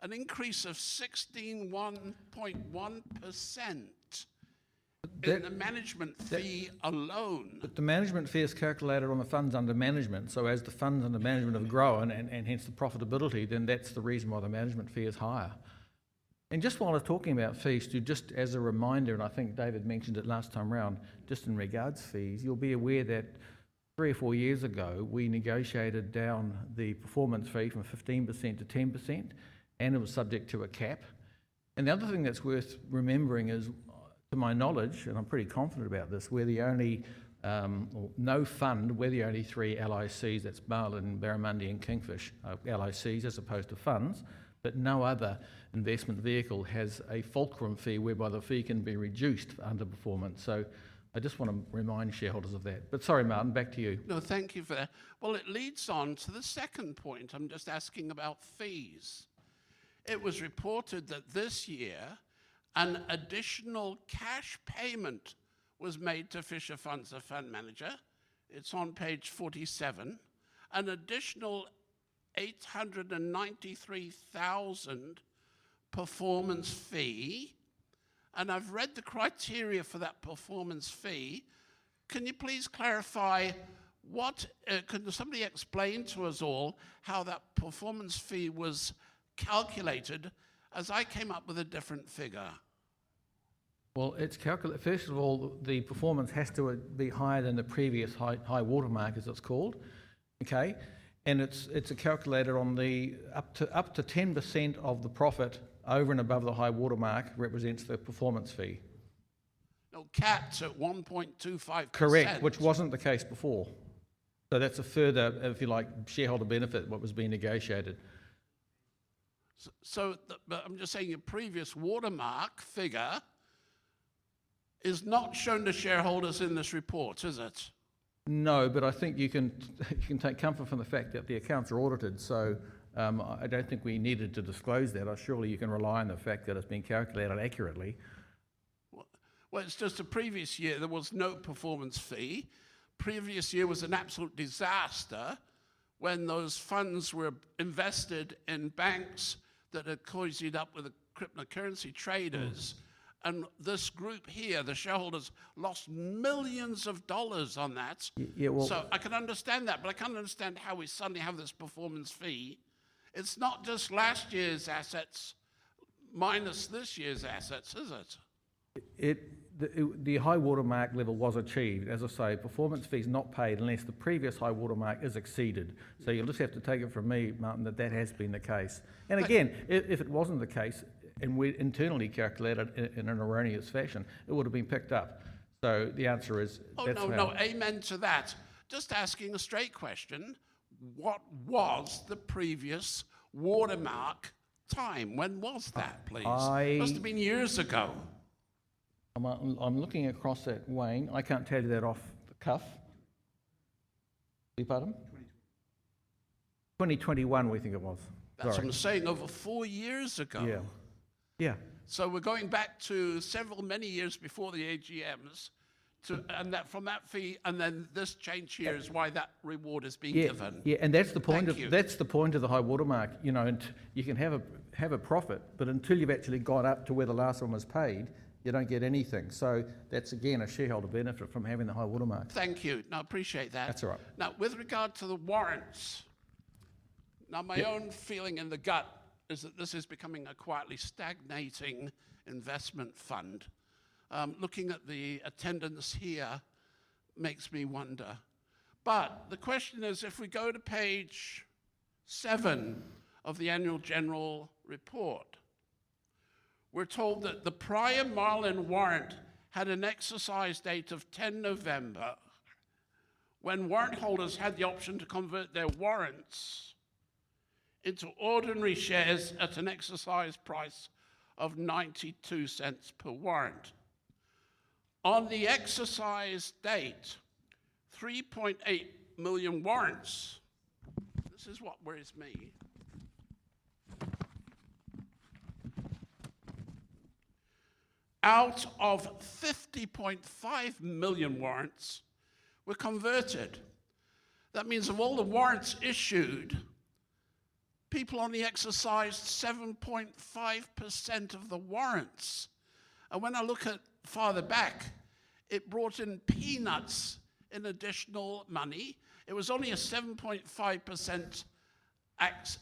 an increase of 16.1% in the management fee alone. But the management fee is calculated on the funds under management, so as the funds under management have grown and hence the profitability, then that's the reason why the management fee is higher. And just while I was talking about fees, just as a reminder, and I think David mentioned it last time around, just in regards to fees, you'll be aware that three or four years ago we negotiated down the performance fee from 15% to 10%, and it was subject to a cap. And the other thing that's worth remembering is, to my knowledge, and I'm pretty confident about this, no fund, we're the only three LICs that's Marlin, Barramundi, and Kingfish LICs as opposed to funds, but no other investment vehicle has a Fulcrum fee whereby the fee can be reduced for underperformance. So I just want to remind shareholders of that. But sorry, Martin, back to you. No, thank you for that. Well, it leads on to the second point. I'm just asking about fees. It was reported that this year an additional cash payment was made to Fisher Funds, the fund manager. It's on page 47, an additional 893,000 performance fee. `I've read the criteria for that performance fee. Can you please clarify? Could somebody explain to us all how that performance fee was calculated, as I came up with a different figure? First of all, the performance has to be higher than the previous high watermark, as it's called. Okay? It's calculated on up to 10% of the profit over and above the high watermark represents the performance fee. No caps at 1.25%. Correct, which wasn't the case before. So that's a further, if you like, shareholder benefit, what was being negotiated. So I'm just saying your previous watermark figure is not shown to shareholders in this report, is it? No, but I think you can take comfort from the fact that the accounts are audited, so I don't think we needed to disclose that. Surely you can rely on the fact that it's been calculated accurately. It's just the previous year there was no performance fee. The previous year was an absolute disaster when those funds were invested in banks that had cozied up with the cryptocurrency traders. This group here, the shareholders, lost millions of dollars on that. Yeah, well. So I can understand that, but I can't understand how we suddenly have this performance fee. It's not just last year's assets minus this year's assets, is it? The high watermark level was achieved. As I say, performance fee is not paid unless the previous high watermark is exceeded. So you'll just have to take it from me, Martin, that that has been the case. And again, if it wasn't the case and we internally calculated in an erroneous fashion, it would have been picked up. So the answer is that's a fact. No, no, no. Amen to that. Just asking a straight question. What was the previous watermark time? When was that, please? I. Must have been years ago. I'm looking across at Wayne. I can't tell you that off the cuff. Please pardon? 2021. 2021, we think it was. That's what I'm saying. Over four years ago. Yeah. Yeah. We're going back to several years before the AGMs and from that fee, and then this change here is why that reward is being given. Yeah, and that's the point of the high watermark. You can have a profit, but until you've actually got up to where the last one was paid, you don't get anything. So that's, again, a shareholder benefit from having the high watermark. Thank you. No, I appreciate that. That's all right. Now, with regard to the warrants, now my own feeling in the gut is that this is becoming a quietly stagnating investment fund. Looking at the attendance here makes me wonder. But the question is, if we go to page seven of the annual general report, we're told that the prior Marlin warrant had an exercise date of 10 November when warrant holders had the option to convert their warrants into ordinary shares at an exercise price of 0.92 per warrant. On the exercise date, 3.8 million warrants were converted. This is what worries me. Out of 50.5 million warrants were converted. That means of all the warrants issued, people only exercised 7.5% of the warrants. And when I look at farther back, it brought in peanuts in additional money. It was only a 7.5%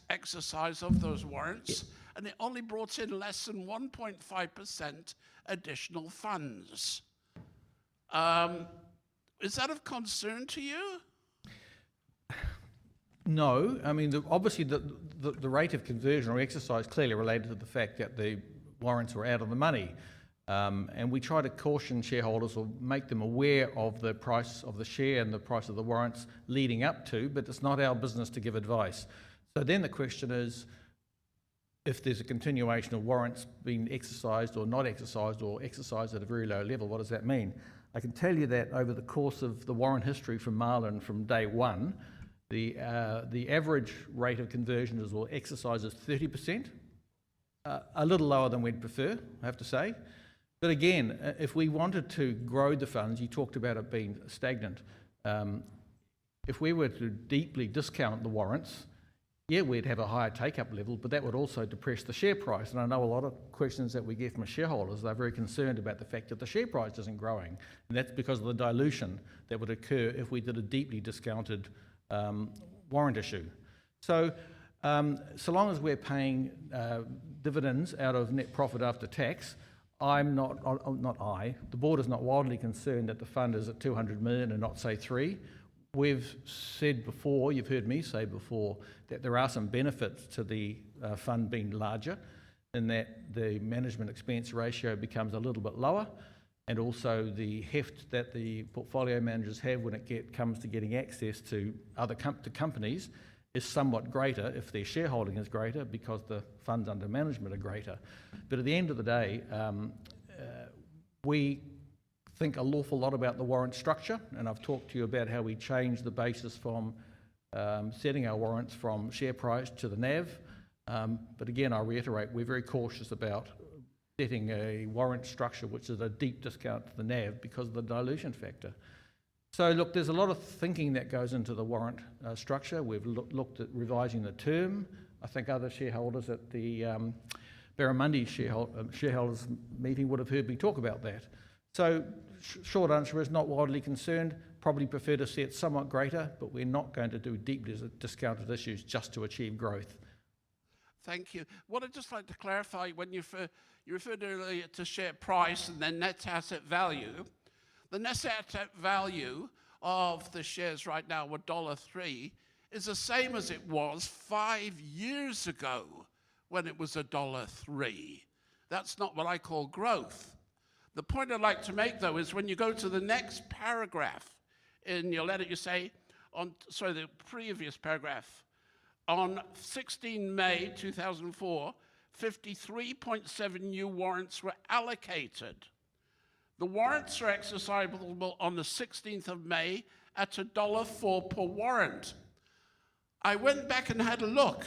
exercise of those warrants, and it only brought in less than 1.5% additional funds. Is that of concern to you? No. I mean, obviously, the rate of conversion or exercise clearly related to the fact that the warrants were out of the money, and we try to caution shareholders or make them aware of the price of the share and the price of the warrants leading up to, but it's not our business to give advice, then the question is, if there's a continuation of warrants being exercised or not exercised or exercised at a very low level, what does that mean? I can tell you that over the course of the warrant history from Marlin, from day one, the average rate of conversion or exercise is 30%, a little lower than we'd prefer, I have to say, but again, if we wanted to grow the funds, you talked about it being stagnant. If we were to deeply discount the warrants, yeah, we'd have a higher take-up level, but that would also depress the share price. I know a lot of questions that we get from shareholders, they're very concerned about the fact that the share price isn't growing. And that's because of the dilution that would occur if we did a deeply discounted warrant issue. So long as we're paying dividends out of net profit after tax, I'm not. The board is not wildly concerned that the fund is at 200 million and not, say, 300. We've said before, you've heard me say before, that there are some benefits to the fund being larger and that the management expense ratio becomes a little bit lower. Also, the heft that the portfolio managers have when it comes to getting access to companies is somewhat greater if their shareholding is greater because the funds under management are greater. At the end of the day, we think an awful lot about the warrant structure. I've talked to you about how we change the basis from setting our warrants from share price to the NAV. Again, I reiterate, we're very cautious about setting a warrant structure which is a deep discount to the NAV because of the dilution factor. Look, there's a lot of thinking that goes into the warrant structure. We've looked at revising the term. I think other shareholders at the Barramundi shareholders' meeting would have heard me talk about that. So short answer is not wildly concerned, probably prefer to see it somewhat greater, but we're not going to do deep discounted issues just to achieve growth. Thank you. What I'd just like to clarify, when you referred earlier to share price and then net asset value, the net asset value of the shares right now were dollar 1.03 is the same as it was five years ago when it was dollar 1.03. That's not what I call growth. The point I'd like to make, though, is when you go to the next paragraph in your letter, you say, sorry, the previous paragraph, on 16 May 2004, 53.7 new warrants were allocated. The warrants were exercisable on the 16th of May at dollar 1.04 per warrant. I went back and had a look.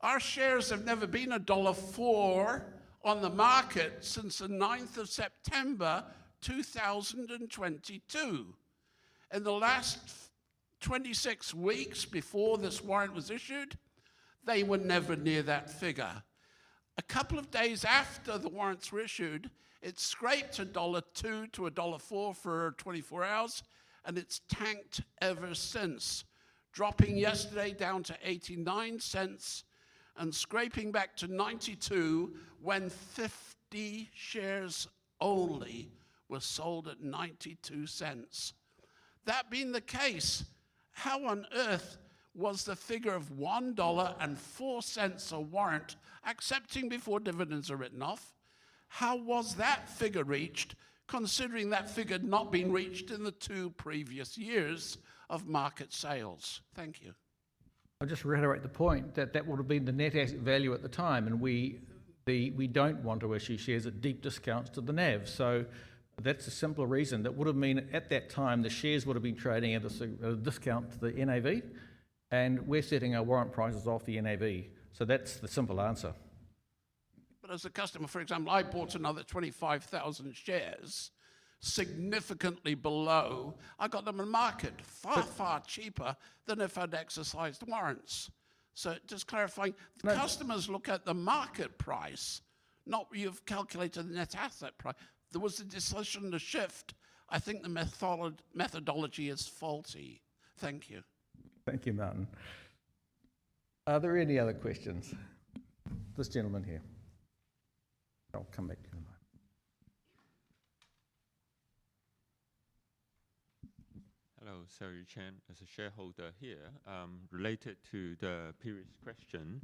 Our shares have never been dollar 1.04 on the market since the 9th of September 2022. In the last 26 weeks before this warrant was issued, they were never near that figure. A couple of days after the warrants were issued, it scraped to NZD 1.02 to 1.04 for 24 hours, and it's tanked ever since, dropping yesterday down to 0.89 and scraping back to 0.92 when 50 shares only were sold at 0.92. That being the case, how on earth was the figure of 1.04 dollar a warrant, excepting before dividends are written off, how was that figure reached considering that figure had not been reached in the two previous years of market sales? Thank you. I'll just reiterate the point that that would have been the net asset value at the time, and we don't want to issue shares at deep discounts to the NAV. So that's a simple reason. That would have meant at that time the shares would have been trading at a discount to the NAV, and we're setting our warrant prices off the NAV. So that's the simple answer. But as a customer, for example, I bought another 25,000 shares significantly below. I got them in market far, far cheaper than if I'd exercised warrants. So just clarifying, the customers look at the market price, not the NAV you've calculated. There was a decision to shift. I think the methodology is faulty. Thank you. Thank you, Martin. Are there any other questions? This gentleman here. I'll come back to you. Hello, Sijian Chen. As a shareholder here, related to the previous question,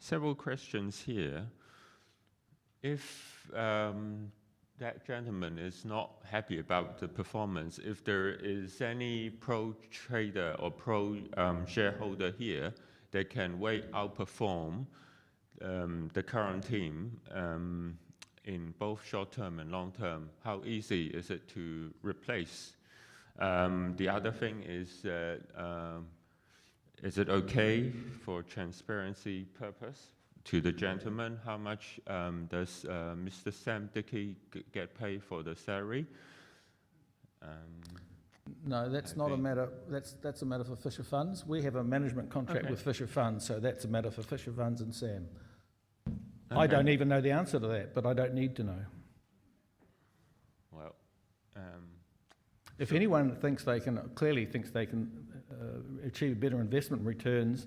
several questions here. If that gentleman is not happy about the performance, if there is any pro-trader or pro-shareholder here that can way outperform the current team in both short term and long term, how easy is it to replace? The other thing is, is it okay for transparency purpose to the gentleman? How much does Mr. Sam Dickey get paid for the salary? No, that's not a matter, that's a matter for Fisher Funds. We have a management contract with Fisher Funds, so that's a matter for Fisher Funds and Sam. I don't even know the answer to that, but I don't need to know. Well. If anyone thinks they can achieve better investment returns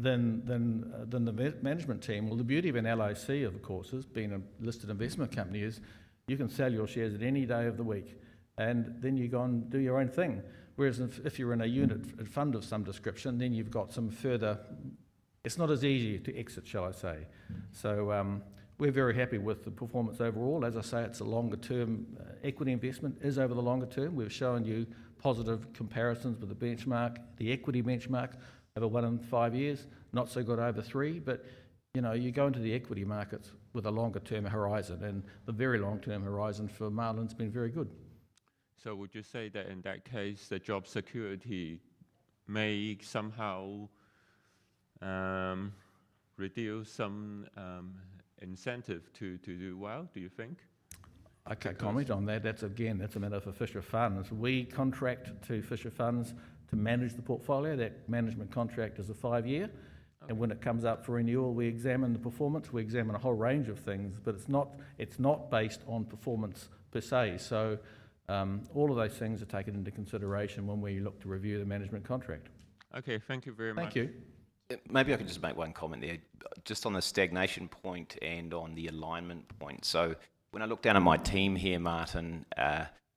than the management team, well, the beauty of an LIC, of course, being a listed investment company, is you can sell your shares at any day of the week, and then you go and do your own thing. Whereas if you're in a unit fund of some description, then you've got some further. It's not as easy to exit, shall I say, so we're very happy with the performance overall. As I say, it's a longer-term equity investment over the longer term. We've shown you positive comparisons with the benchmark, the equity benchmark over one and five years, not so good over three. But you go into the equity markets with a longer-term horizon, and the very long-term horizon for Marlin's been very good. Would you say that in that case, the job security may somehow reduce some incentive to do well, do you think? I can't comment on that. That's, again, that's a matter for Fisher Funds. We contract to Fisher Funds to manage the portfolio. That management contract is a five-year. When it comes up for renewal, we examine the performance. We examine a whole range of things, but it's not based on performance per se. So all of those things are taken into consideration when we look to review the management contract. Okay. Thank you very much. Thank you. Maybe I can just make one comment there, just on the stagnation point and on the alignment point. So when I look down at my team here, Martin,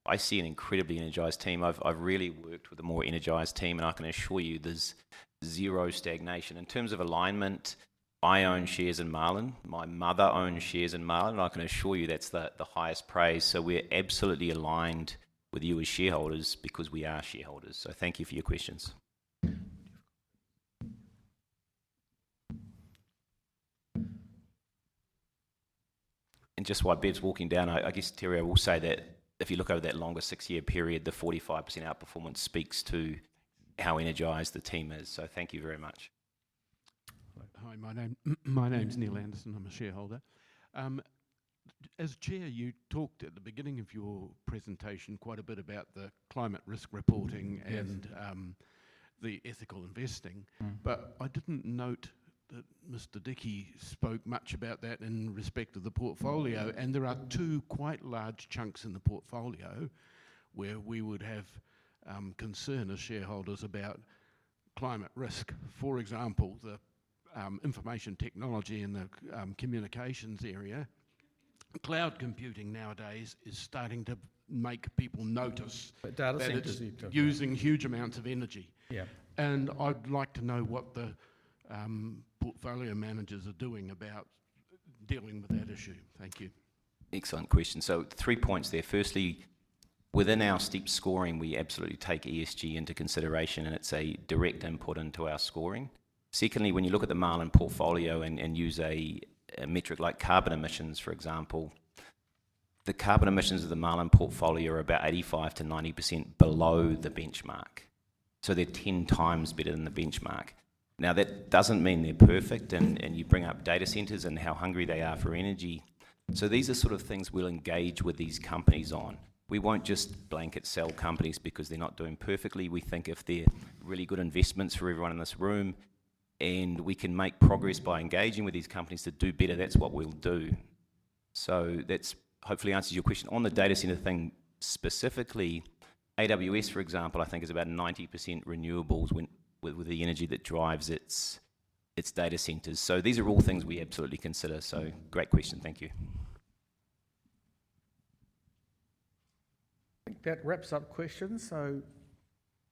I see an incredibly energized team. I've really worked with a more energized team, and I can assure you there's zero stagnation. In terms of alignment, I own shares in Marlin. My mother owns shares in Marlin. I can assure you that's the highest praise. So we're absolutely aligned with you as shareholders because we are shareholders. So thank you for your questions. And just while Bev's walking down, I guess Terry will say that if you look over that longer six-year period, the 45% outperformance speaks to how energized the team is. So thank you very much. Hi. My name's Neil Anderson. I'm a shareholder. As chair, you talked at the beginning of your presentation quite a bit about the climate risk reporting and the ethical investing. But I didn't note that Mr. Dickey spoke much about that in respect of the portfolio. And there are two quite large chunks in the portfolio where we would have concern as shareholders about climate risk. For example, the information technology in the communications area. Cloud computing nowadays is starting to make people notice. But data centers need to. Using huge amounts of energy. Yeah. I'd like to know what the portfolio managers are doing about dealing with that issue. Thank you. Excellent question. There are three points there. Firstly, within our STEEP scoring, we absolutely take ESG into consideration, and it's a direct input into our scoring. Secondly, when you look at the Marlin portfolio and use a metric like carbon emissions, for example, the carbon emissions of the Marlin portfolio are about 85% to 90% below the benchmark. So they're 10 times better than the benchmark. Now, that doesn't mean they're perfect, and you bring up data centers and how hungry they are for energy. So these are sort of things we'll engage with these companies on. We won't just blanket sell companies because they're not doing perfectly. We think if they're really good investments for everyone in this room, and we can make progress by engaging with these companies to do better, that's what we'll do. So that hopefully answers your question. On the data center thing specifically, AWS, for example, I think is about 90% renewables with the energy that drives its data centers. So these are all things we absolutely consider. So great question. Thank you. I think that wraps up questions. So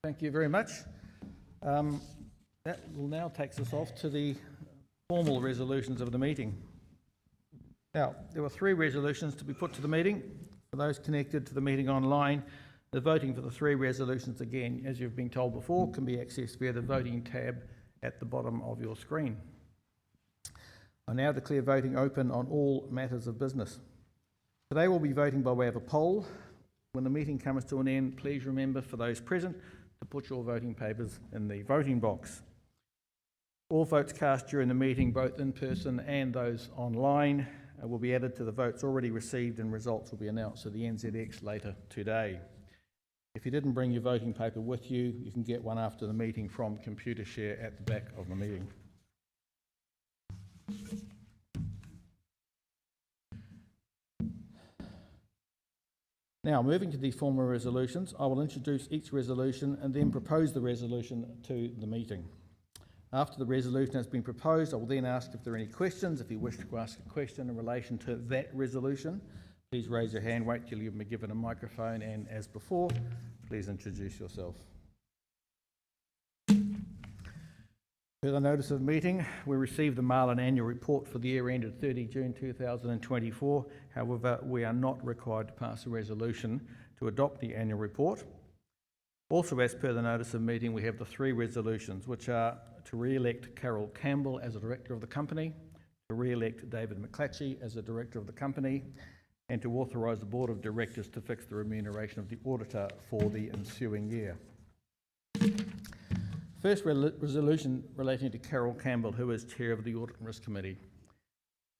thank you very much. That will now take us on to the formal resolutions of the meeting. Now, there were three resolutions to be put to the meeting. For those connected to the meeting online, the voting for the three resolutions, again, as you've been told before, can be accessed via the voting tab at the bottom of your screen. I now declare voting open on all matters of business. Today, we'll be voting by way of a poll. When the meeting comes to an end, please remember for those present to put your voting papers in the voting box. All votes cast during the meeting, both in person and those online, will be added to the votes already received, and results will be announced to the NZX later today. If you didn't bring your voting paper with you, you can get one after the meeting from Computershare at the back of the meeting. Now, moving to the formal resolutions, I will introduce each resolution and then propose the resolution to the meeting. After the resolution has been proposed, I will then ask if there are any questions. If you wish to ask a question in relation to that resolution, please raise your hand. Wait till you've been given a microphone. And as before, please introduce yourself. Per the notice of meeting, we received the Marlin annual report for the year ended 30 June 2024. However, we are not required to pass a resolution to adopt the annual report. Also, as per the notice of meeting, we have the three resolutions, which are to re-elect Carol Campbell as a director of the company, to re-elect David McClatchy as a director of the company, and to authorize the board of directors to fix the remuneration of the auditor for the ensuing year. First resolution relating to Carol Campbell, who is Chair of the Audit and Risk Committee.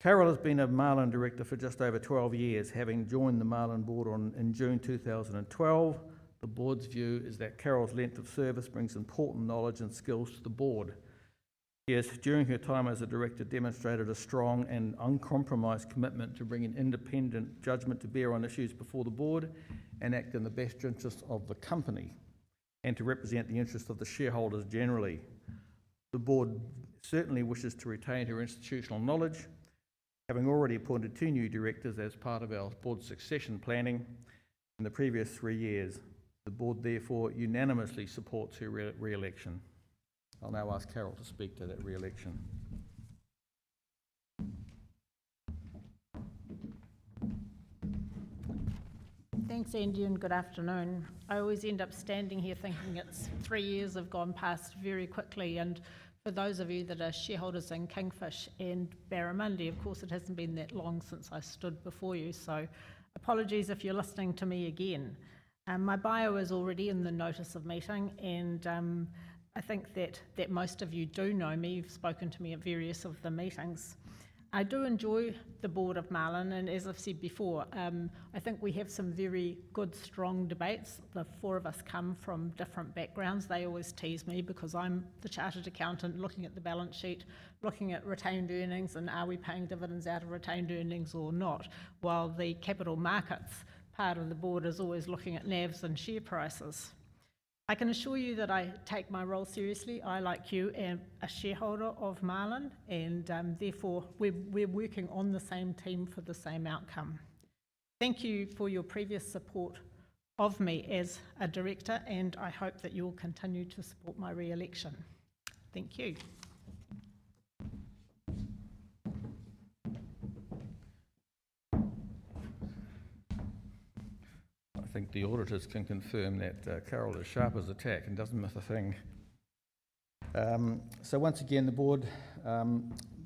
Carol has been a Marlin director for just over 12 years, having joined the Marlin board in June 2012. The board's view is that Carol's length of service brings important knowledge and skills to the board. She has, during her time as a director, demonstrated a strong and uncompromised commitment to bringing independent judgment to bear on issues before the board and act in the best interest of the company and to represent the interests of the shareholders generally. The board certainly wishes to retain her institutional knowledge, having already appointed two new directors as part of our board succession planning in the previous three years. The board, therefore, unanimously supports her re-election. I'll now ask Carol to speak to that re-election. Thanks, Andy, and good afternoon. I always end up standing here thinking three years have gone past very quickly, and for those of you that are shareholders in Kingfish and Barramundi, of course, it hasn't been that long since I stood before you, so apologies if you're listening to me again. My bio is already in the notice of meeting, and I think that most of you do know me. You've spoken to me at various of the meetings. I do enjoy the board of Marlin, and as I've said before, I think we have some very good, strong debates. The four of us come from different backgrounds. They always tease me because I'm the chartered accountant looking at the balance sheet, looking at retained earnings, and are we paying dividends out of retained earnings or not, while the capital markets part of the board is always looking at NAVs and share prices. I can assure you that I take my role seriously. I, like you, am a shareholder of Marlin, and therefore, we're working on the same team for the same outcome. Thank you for your previous support of me as a director, and I hope that you'll continue to support my re-election. Thank you. I think the auditors can confirm that Carol is sharp as a tack and doesn't miss a thing. So once again, the board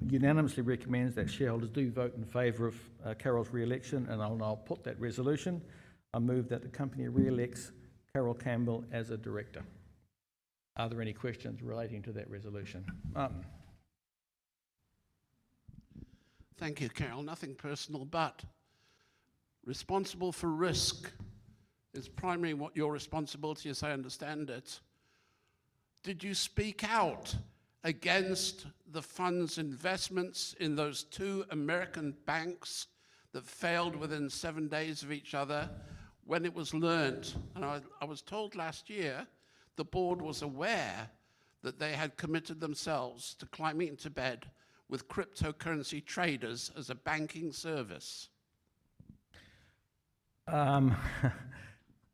unanimously recommends that shareholders do vote in favor of Carol's re-election, and I'll now put that resolution. I move that the company re-elects Carol Campbell as a director. Are there any questions relating to that resolution? Thank you, Carol. Nothing personal, but responsible for risk is primarily what your responsibility is, I understand it. Did you speak out against the fund's investments in those two American banks that failed within seven days of each other when it was learned? And I was told last year the board was aware that they had committed themselves to climbing into bed with cryptocurrency traders as a banking service. I'm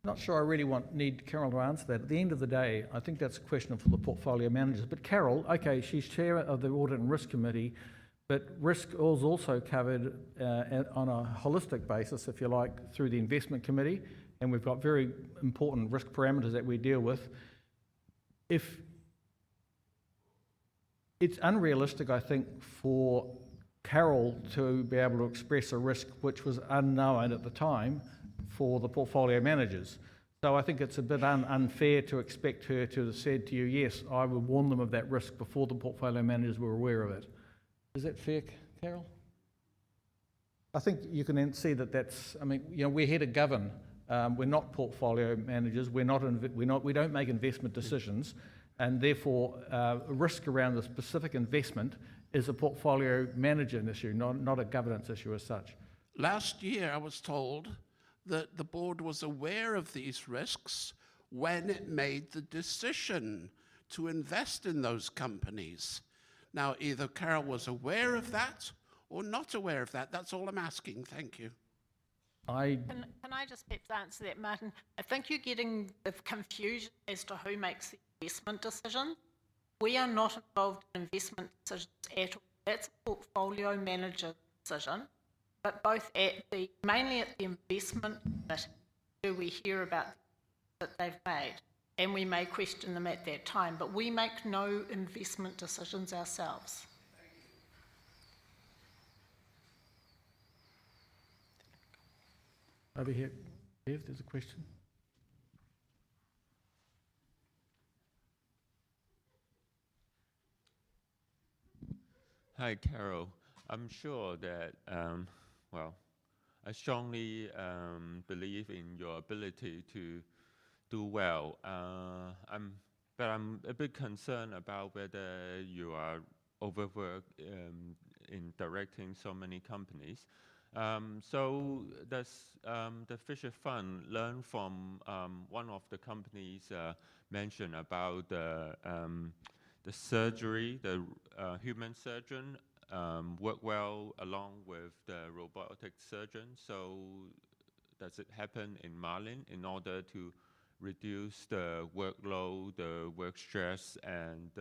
not sure I really need Carol to answer that. At the end of the day, I think that's a question for the portfolio managers. But Carol, okay, she's Chair of the Audit and Risk Committee, but risk is also covered on a holistic basis, if you like, through the investment committee. And we've got very important risk parameters that we deal with. It's unrealistic, I think, for Carol to be able to express a risk which was unknown at the time for the portfolio managers. So I think it's a bit unfair to expect her to have said to you, Yes, I would warn them of that risk before the portfolio managers were aware of it. Is that fair, Carol? I think you can see that that's, I mean, we're here to govern. We're not portfolio managers. We don't make investment decisions. And therefore, risk around the specific investment is a portfolio manager issue, not a governance issue as such. Last year, I was told that the board was aware of these risks when it made the decision to invest in those companies. Now, either Carol was aware of that or not aware of that. That's all I'm asking. Thank you. I. Can I just pick up on that, Martin? I think you're causing the confusion as to who makes the investment decision. We are not involved in investment decisions at all. That's a portfolio manager's decision, but mainly, after the investment that we hear about that they've made. And we may question them at that time, but we make no investment decisions ourselves. Over here, Bev, there's a question. Hi, Carol. I'm sure that, well, I strongly believe in your ability to do well. But I'm a bit concerned about whether you are overworked in directing so many companies. So does the Fisher Funds learn from one of the companies' mention about the human surgeon work well along with the robotic surgeon? So does it happen in Marlin in order to reduce the workload, the work stress, and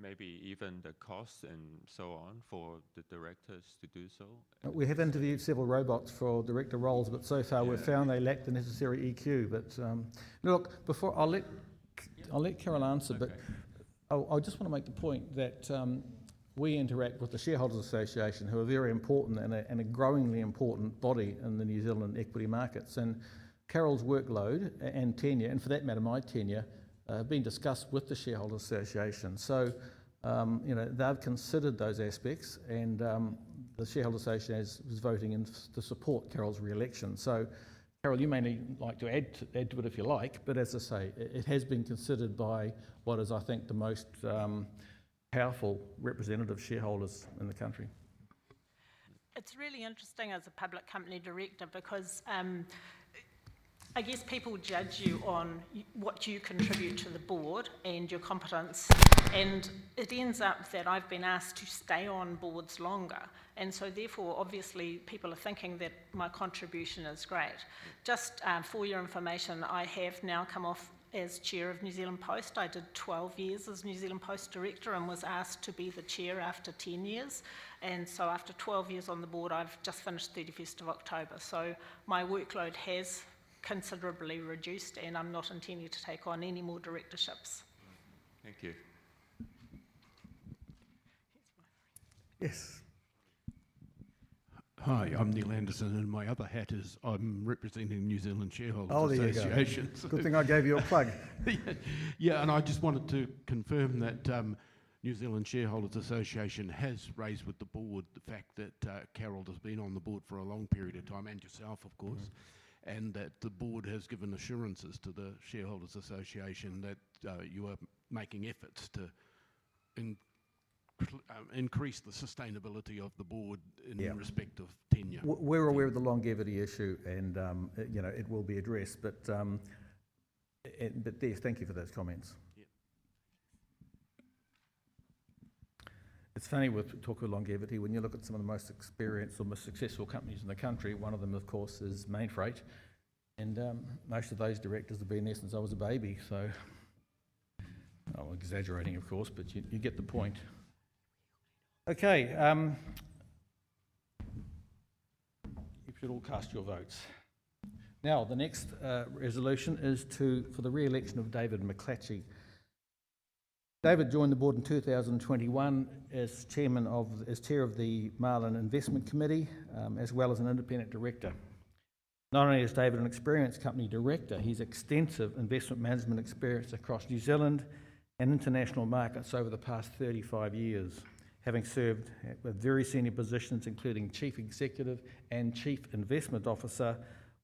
maybe even the cost and so on for the directors to do so? We have interviewed several robots for director roles, but so far, we've found they lack the necessary EQ, but look, I'll let Carol answer, but I just want to make the point that we interact with the Shareholders Association, who are very important and a growingly important body in the New Zealand equity markets, and Carol's workload and tenure, and for that matter, my tenure, have been discussed with the Shareholders Association, so they've considered those aspects, and the Shareholders Association is voting to support Carol's re-election, so Carol, you may like to add to it if you like, but as I say, it has been considered by what is, I think, the most powerful representative shareholders in the country. It's really interesting as a public company director because I guess people judge you on what you contribute to the board and your competence, and it ends up that I've been asked to stay on boards longer, and so therefore, obviously, people are thinking that my contribution is great. Just for your information, I have now come off as chair of New Zealand Post. I did 12 years as New Zealand Post director and was asked to be the chair after 10 years, and so after 12 years on the board, I've just finished 31st of October, so my workload has considerably reduced, and I'm not intending to take on any more directorships. Thank you. Yes. Hi, I'm Neil Anderson, and my other hat is I'm representing New Zealand Shareholders Association. Good thing I gave you a plug. Yeah. And I just wanted to confirm that New Zealand Shareholders Association has raised with the board the fact that Carol has been on the board for a long period of time and yourself, of course, and that the board has given assurances to the Shareholders Association that you are making efforts to increase the sustainability of the board in respect of tenure. We're aware of the longevity issue, and it will be addressed. But yes, thank you for those comments. Yeah. It's funny with talk of longevity when you look at some of the most experienced or most successful companies in the country. One of them, of course, is Mainfreight. Most of those directors have been there since I was a baby. So I'm exaggerating, of course, but you get the point. Okay. You should all cast your votes. Now, the next resolution is for the re-election of David McClatchy. David joined the board in 2021 as Chair of the Marlin Investment Committee, as well as an Independent Director. Not only is David an experienced company director, he has extensive investment management experience across New Zealand and international markets over the past 35 years, having served at very senior positions, including Chief Executive and Chief Investment Officer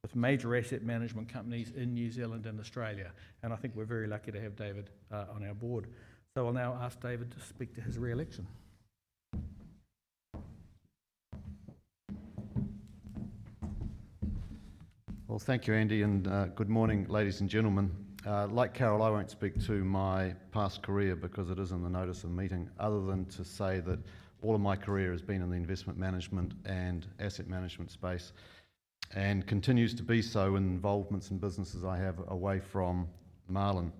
with major asset management companies in New Zealand and Australia. I think we're very lucky to have David on our board. So I'll now ask David to speak to his re-election. Thank you, Andy. Good morning, ladies and gentlemen. Like Carol, I won't speak to my past career because it is in the notice of meeting, other than to say that all of my career has been in the investment management and asset management space and continues to be so in involvements and businesses I have away from Marlin.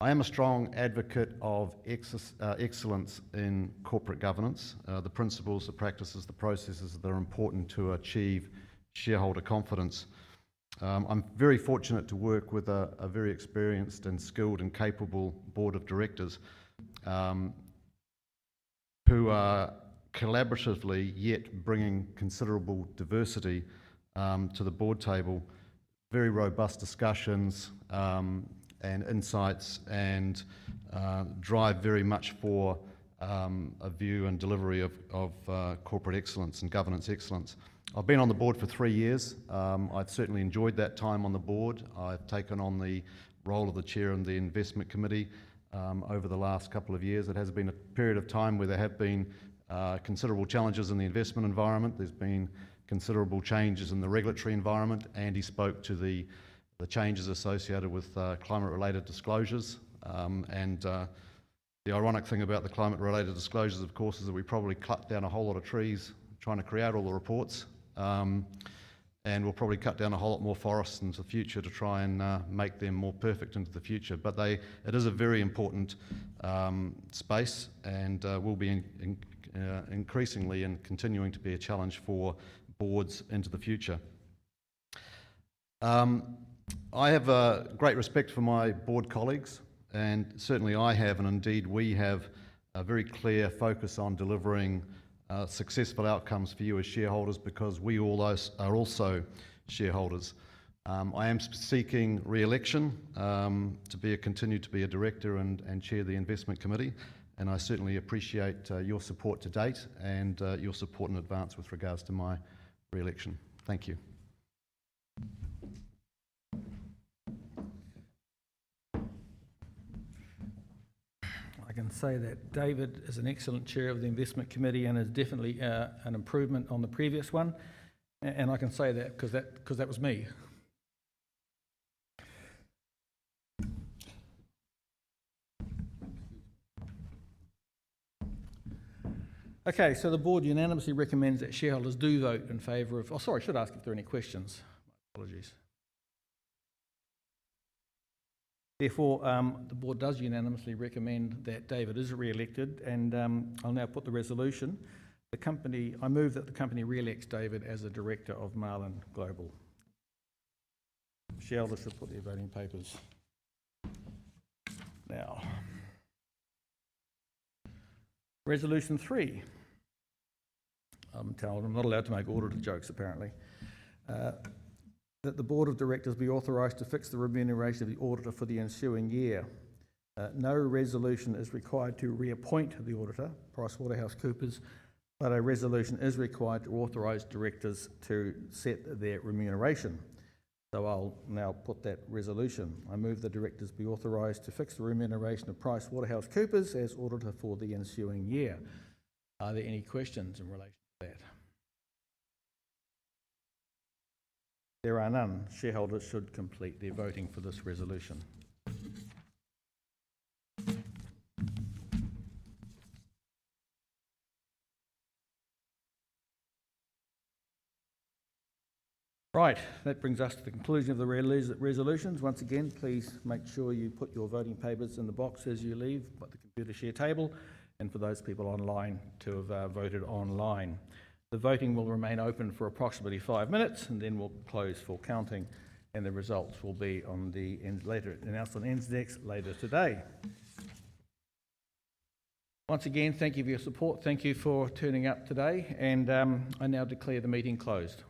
I am a strong advocate of excellence in corporate governance, the principles, the practices, the processes that are important to achieve shareholder confidence. I'm very fortunate to work with a very experienced and skilled and capable board of directors who are collaboratively yet bringing considerable diversity to the board table, very robust discussions and insights, and drive very much for a view and delivery of corporate excellence and governance excellence. I've been on the board for three years. I've certainly enjoyed that time on the board. I've taken on the role of the Chair of the Investment Committee over the last couple of years. It has been a period of time where there have been considerable challenges in the investment environment. There's been considerable changes in the regulatory environment. Andy spoke to the changes associated with climate-related disclosures, and the ironic thing about the climate-related disclosures, of course, is that we probably cut down a whole lot of trees trying to create all the reports, and we'll probably cut down a whole lot more forests into the future to try and make them more perfect into the future, but it is a very important space and will be increasingly and continuing to be a challenge for boards into the future. I have great respect for my board colleagues, and certainly I have, and indeed we have a very clear focus on delivering successful outcomes for you as shareholders because we all are also shareholders. I am seeking re-election to continue to be a director and Chair of the Investment Committee, and I certainly appreciate your support to date and your support in advance with regards to my re-election. Thank you. I can say that David is an excellent chair of the Investment Committee and is definitely an improvement on the previous one. And I can say that because that was me. Okay. So the board unanimously recommends that shareholders do vote in favor of, oh, sorry, I should ask if there are any questions. My apologies. Therefore, the board does unanimously recommend that David is re-elected. And I'll now put the resolution. I move that the company re-elects David as the director of Marlin Global. Shareholders should put their voting papers. Now, resolution three. I'm not allowed to make auditor jokes, apparently. That the board of directors be authorized to fix the remuneration of the auditor for the ensuing year. No resolution is required to reappoint the auditor, PricewaterhouseCoopers, but a resolution is required to authorize directors to set their remuneration. So I'll now put that resolution. I move the directors be authorized to fix the remuneration of PricewaterhouseCoopers as auditor for the ensuing year. Are there any questions in relation to that? There are none. Shareholders should complete their voting for this resolution. Right. That brings us to the conclusion of the resolutions. Once again, please make sure you put your voting papers in the box as you leave the Computershare table. For those people online who have voted online, the voting will remain open for approximately five minutes, and then we'll close for counting, and the results will be announced on NZX later today. Once again, thank you for your support. Thank you for turning up today. I now declare the meeting closed.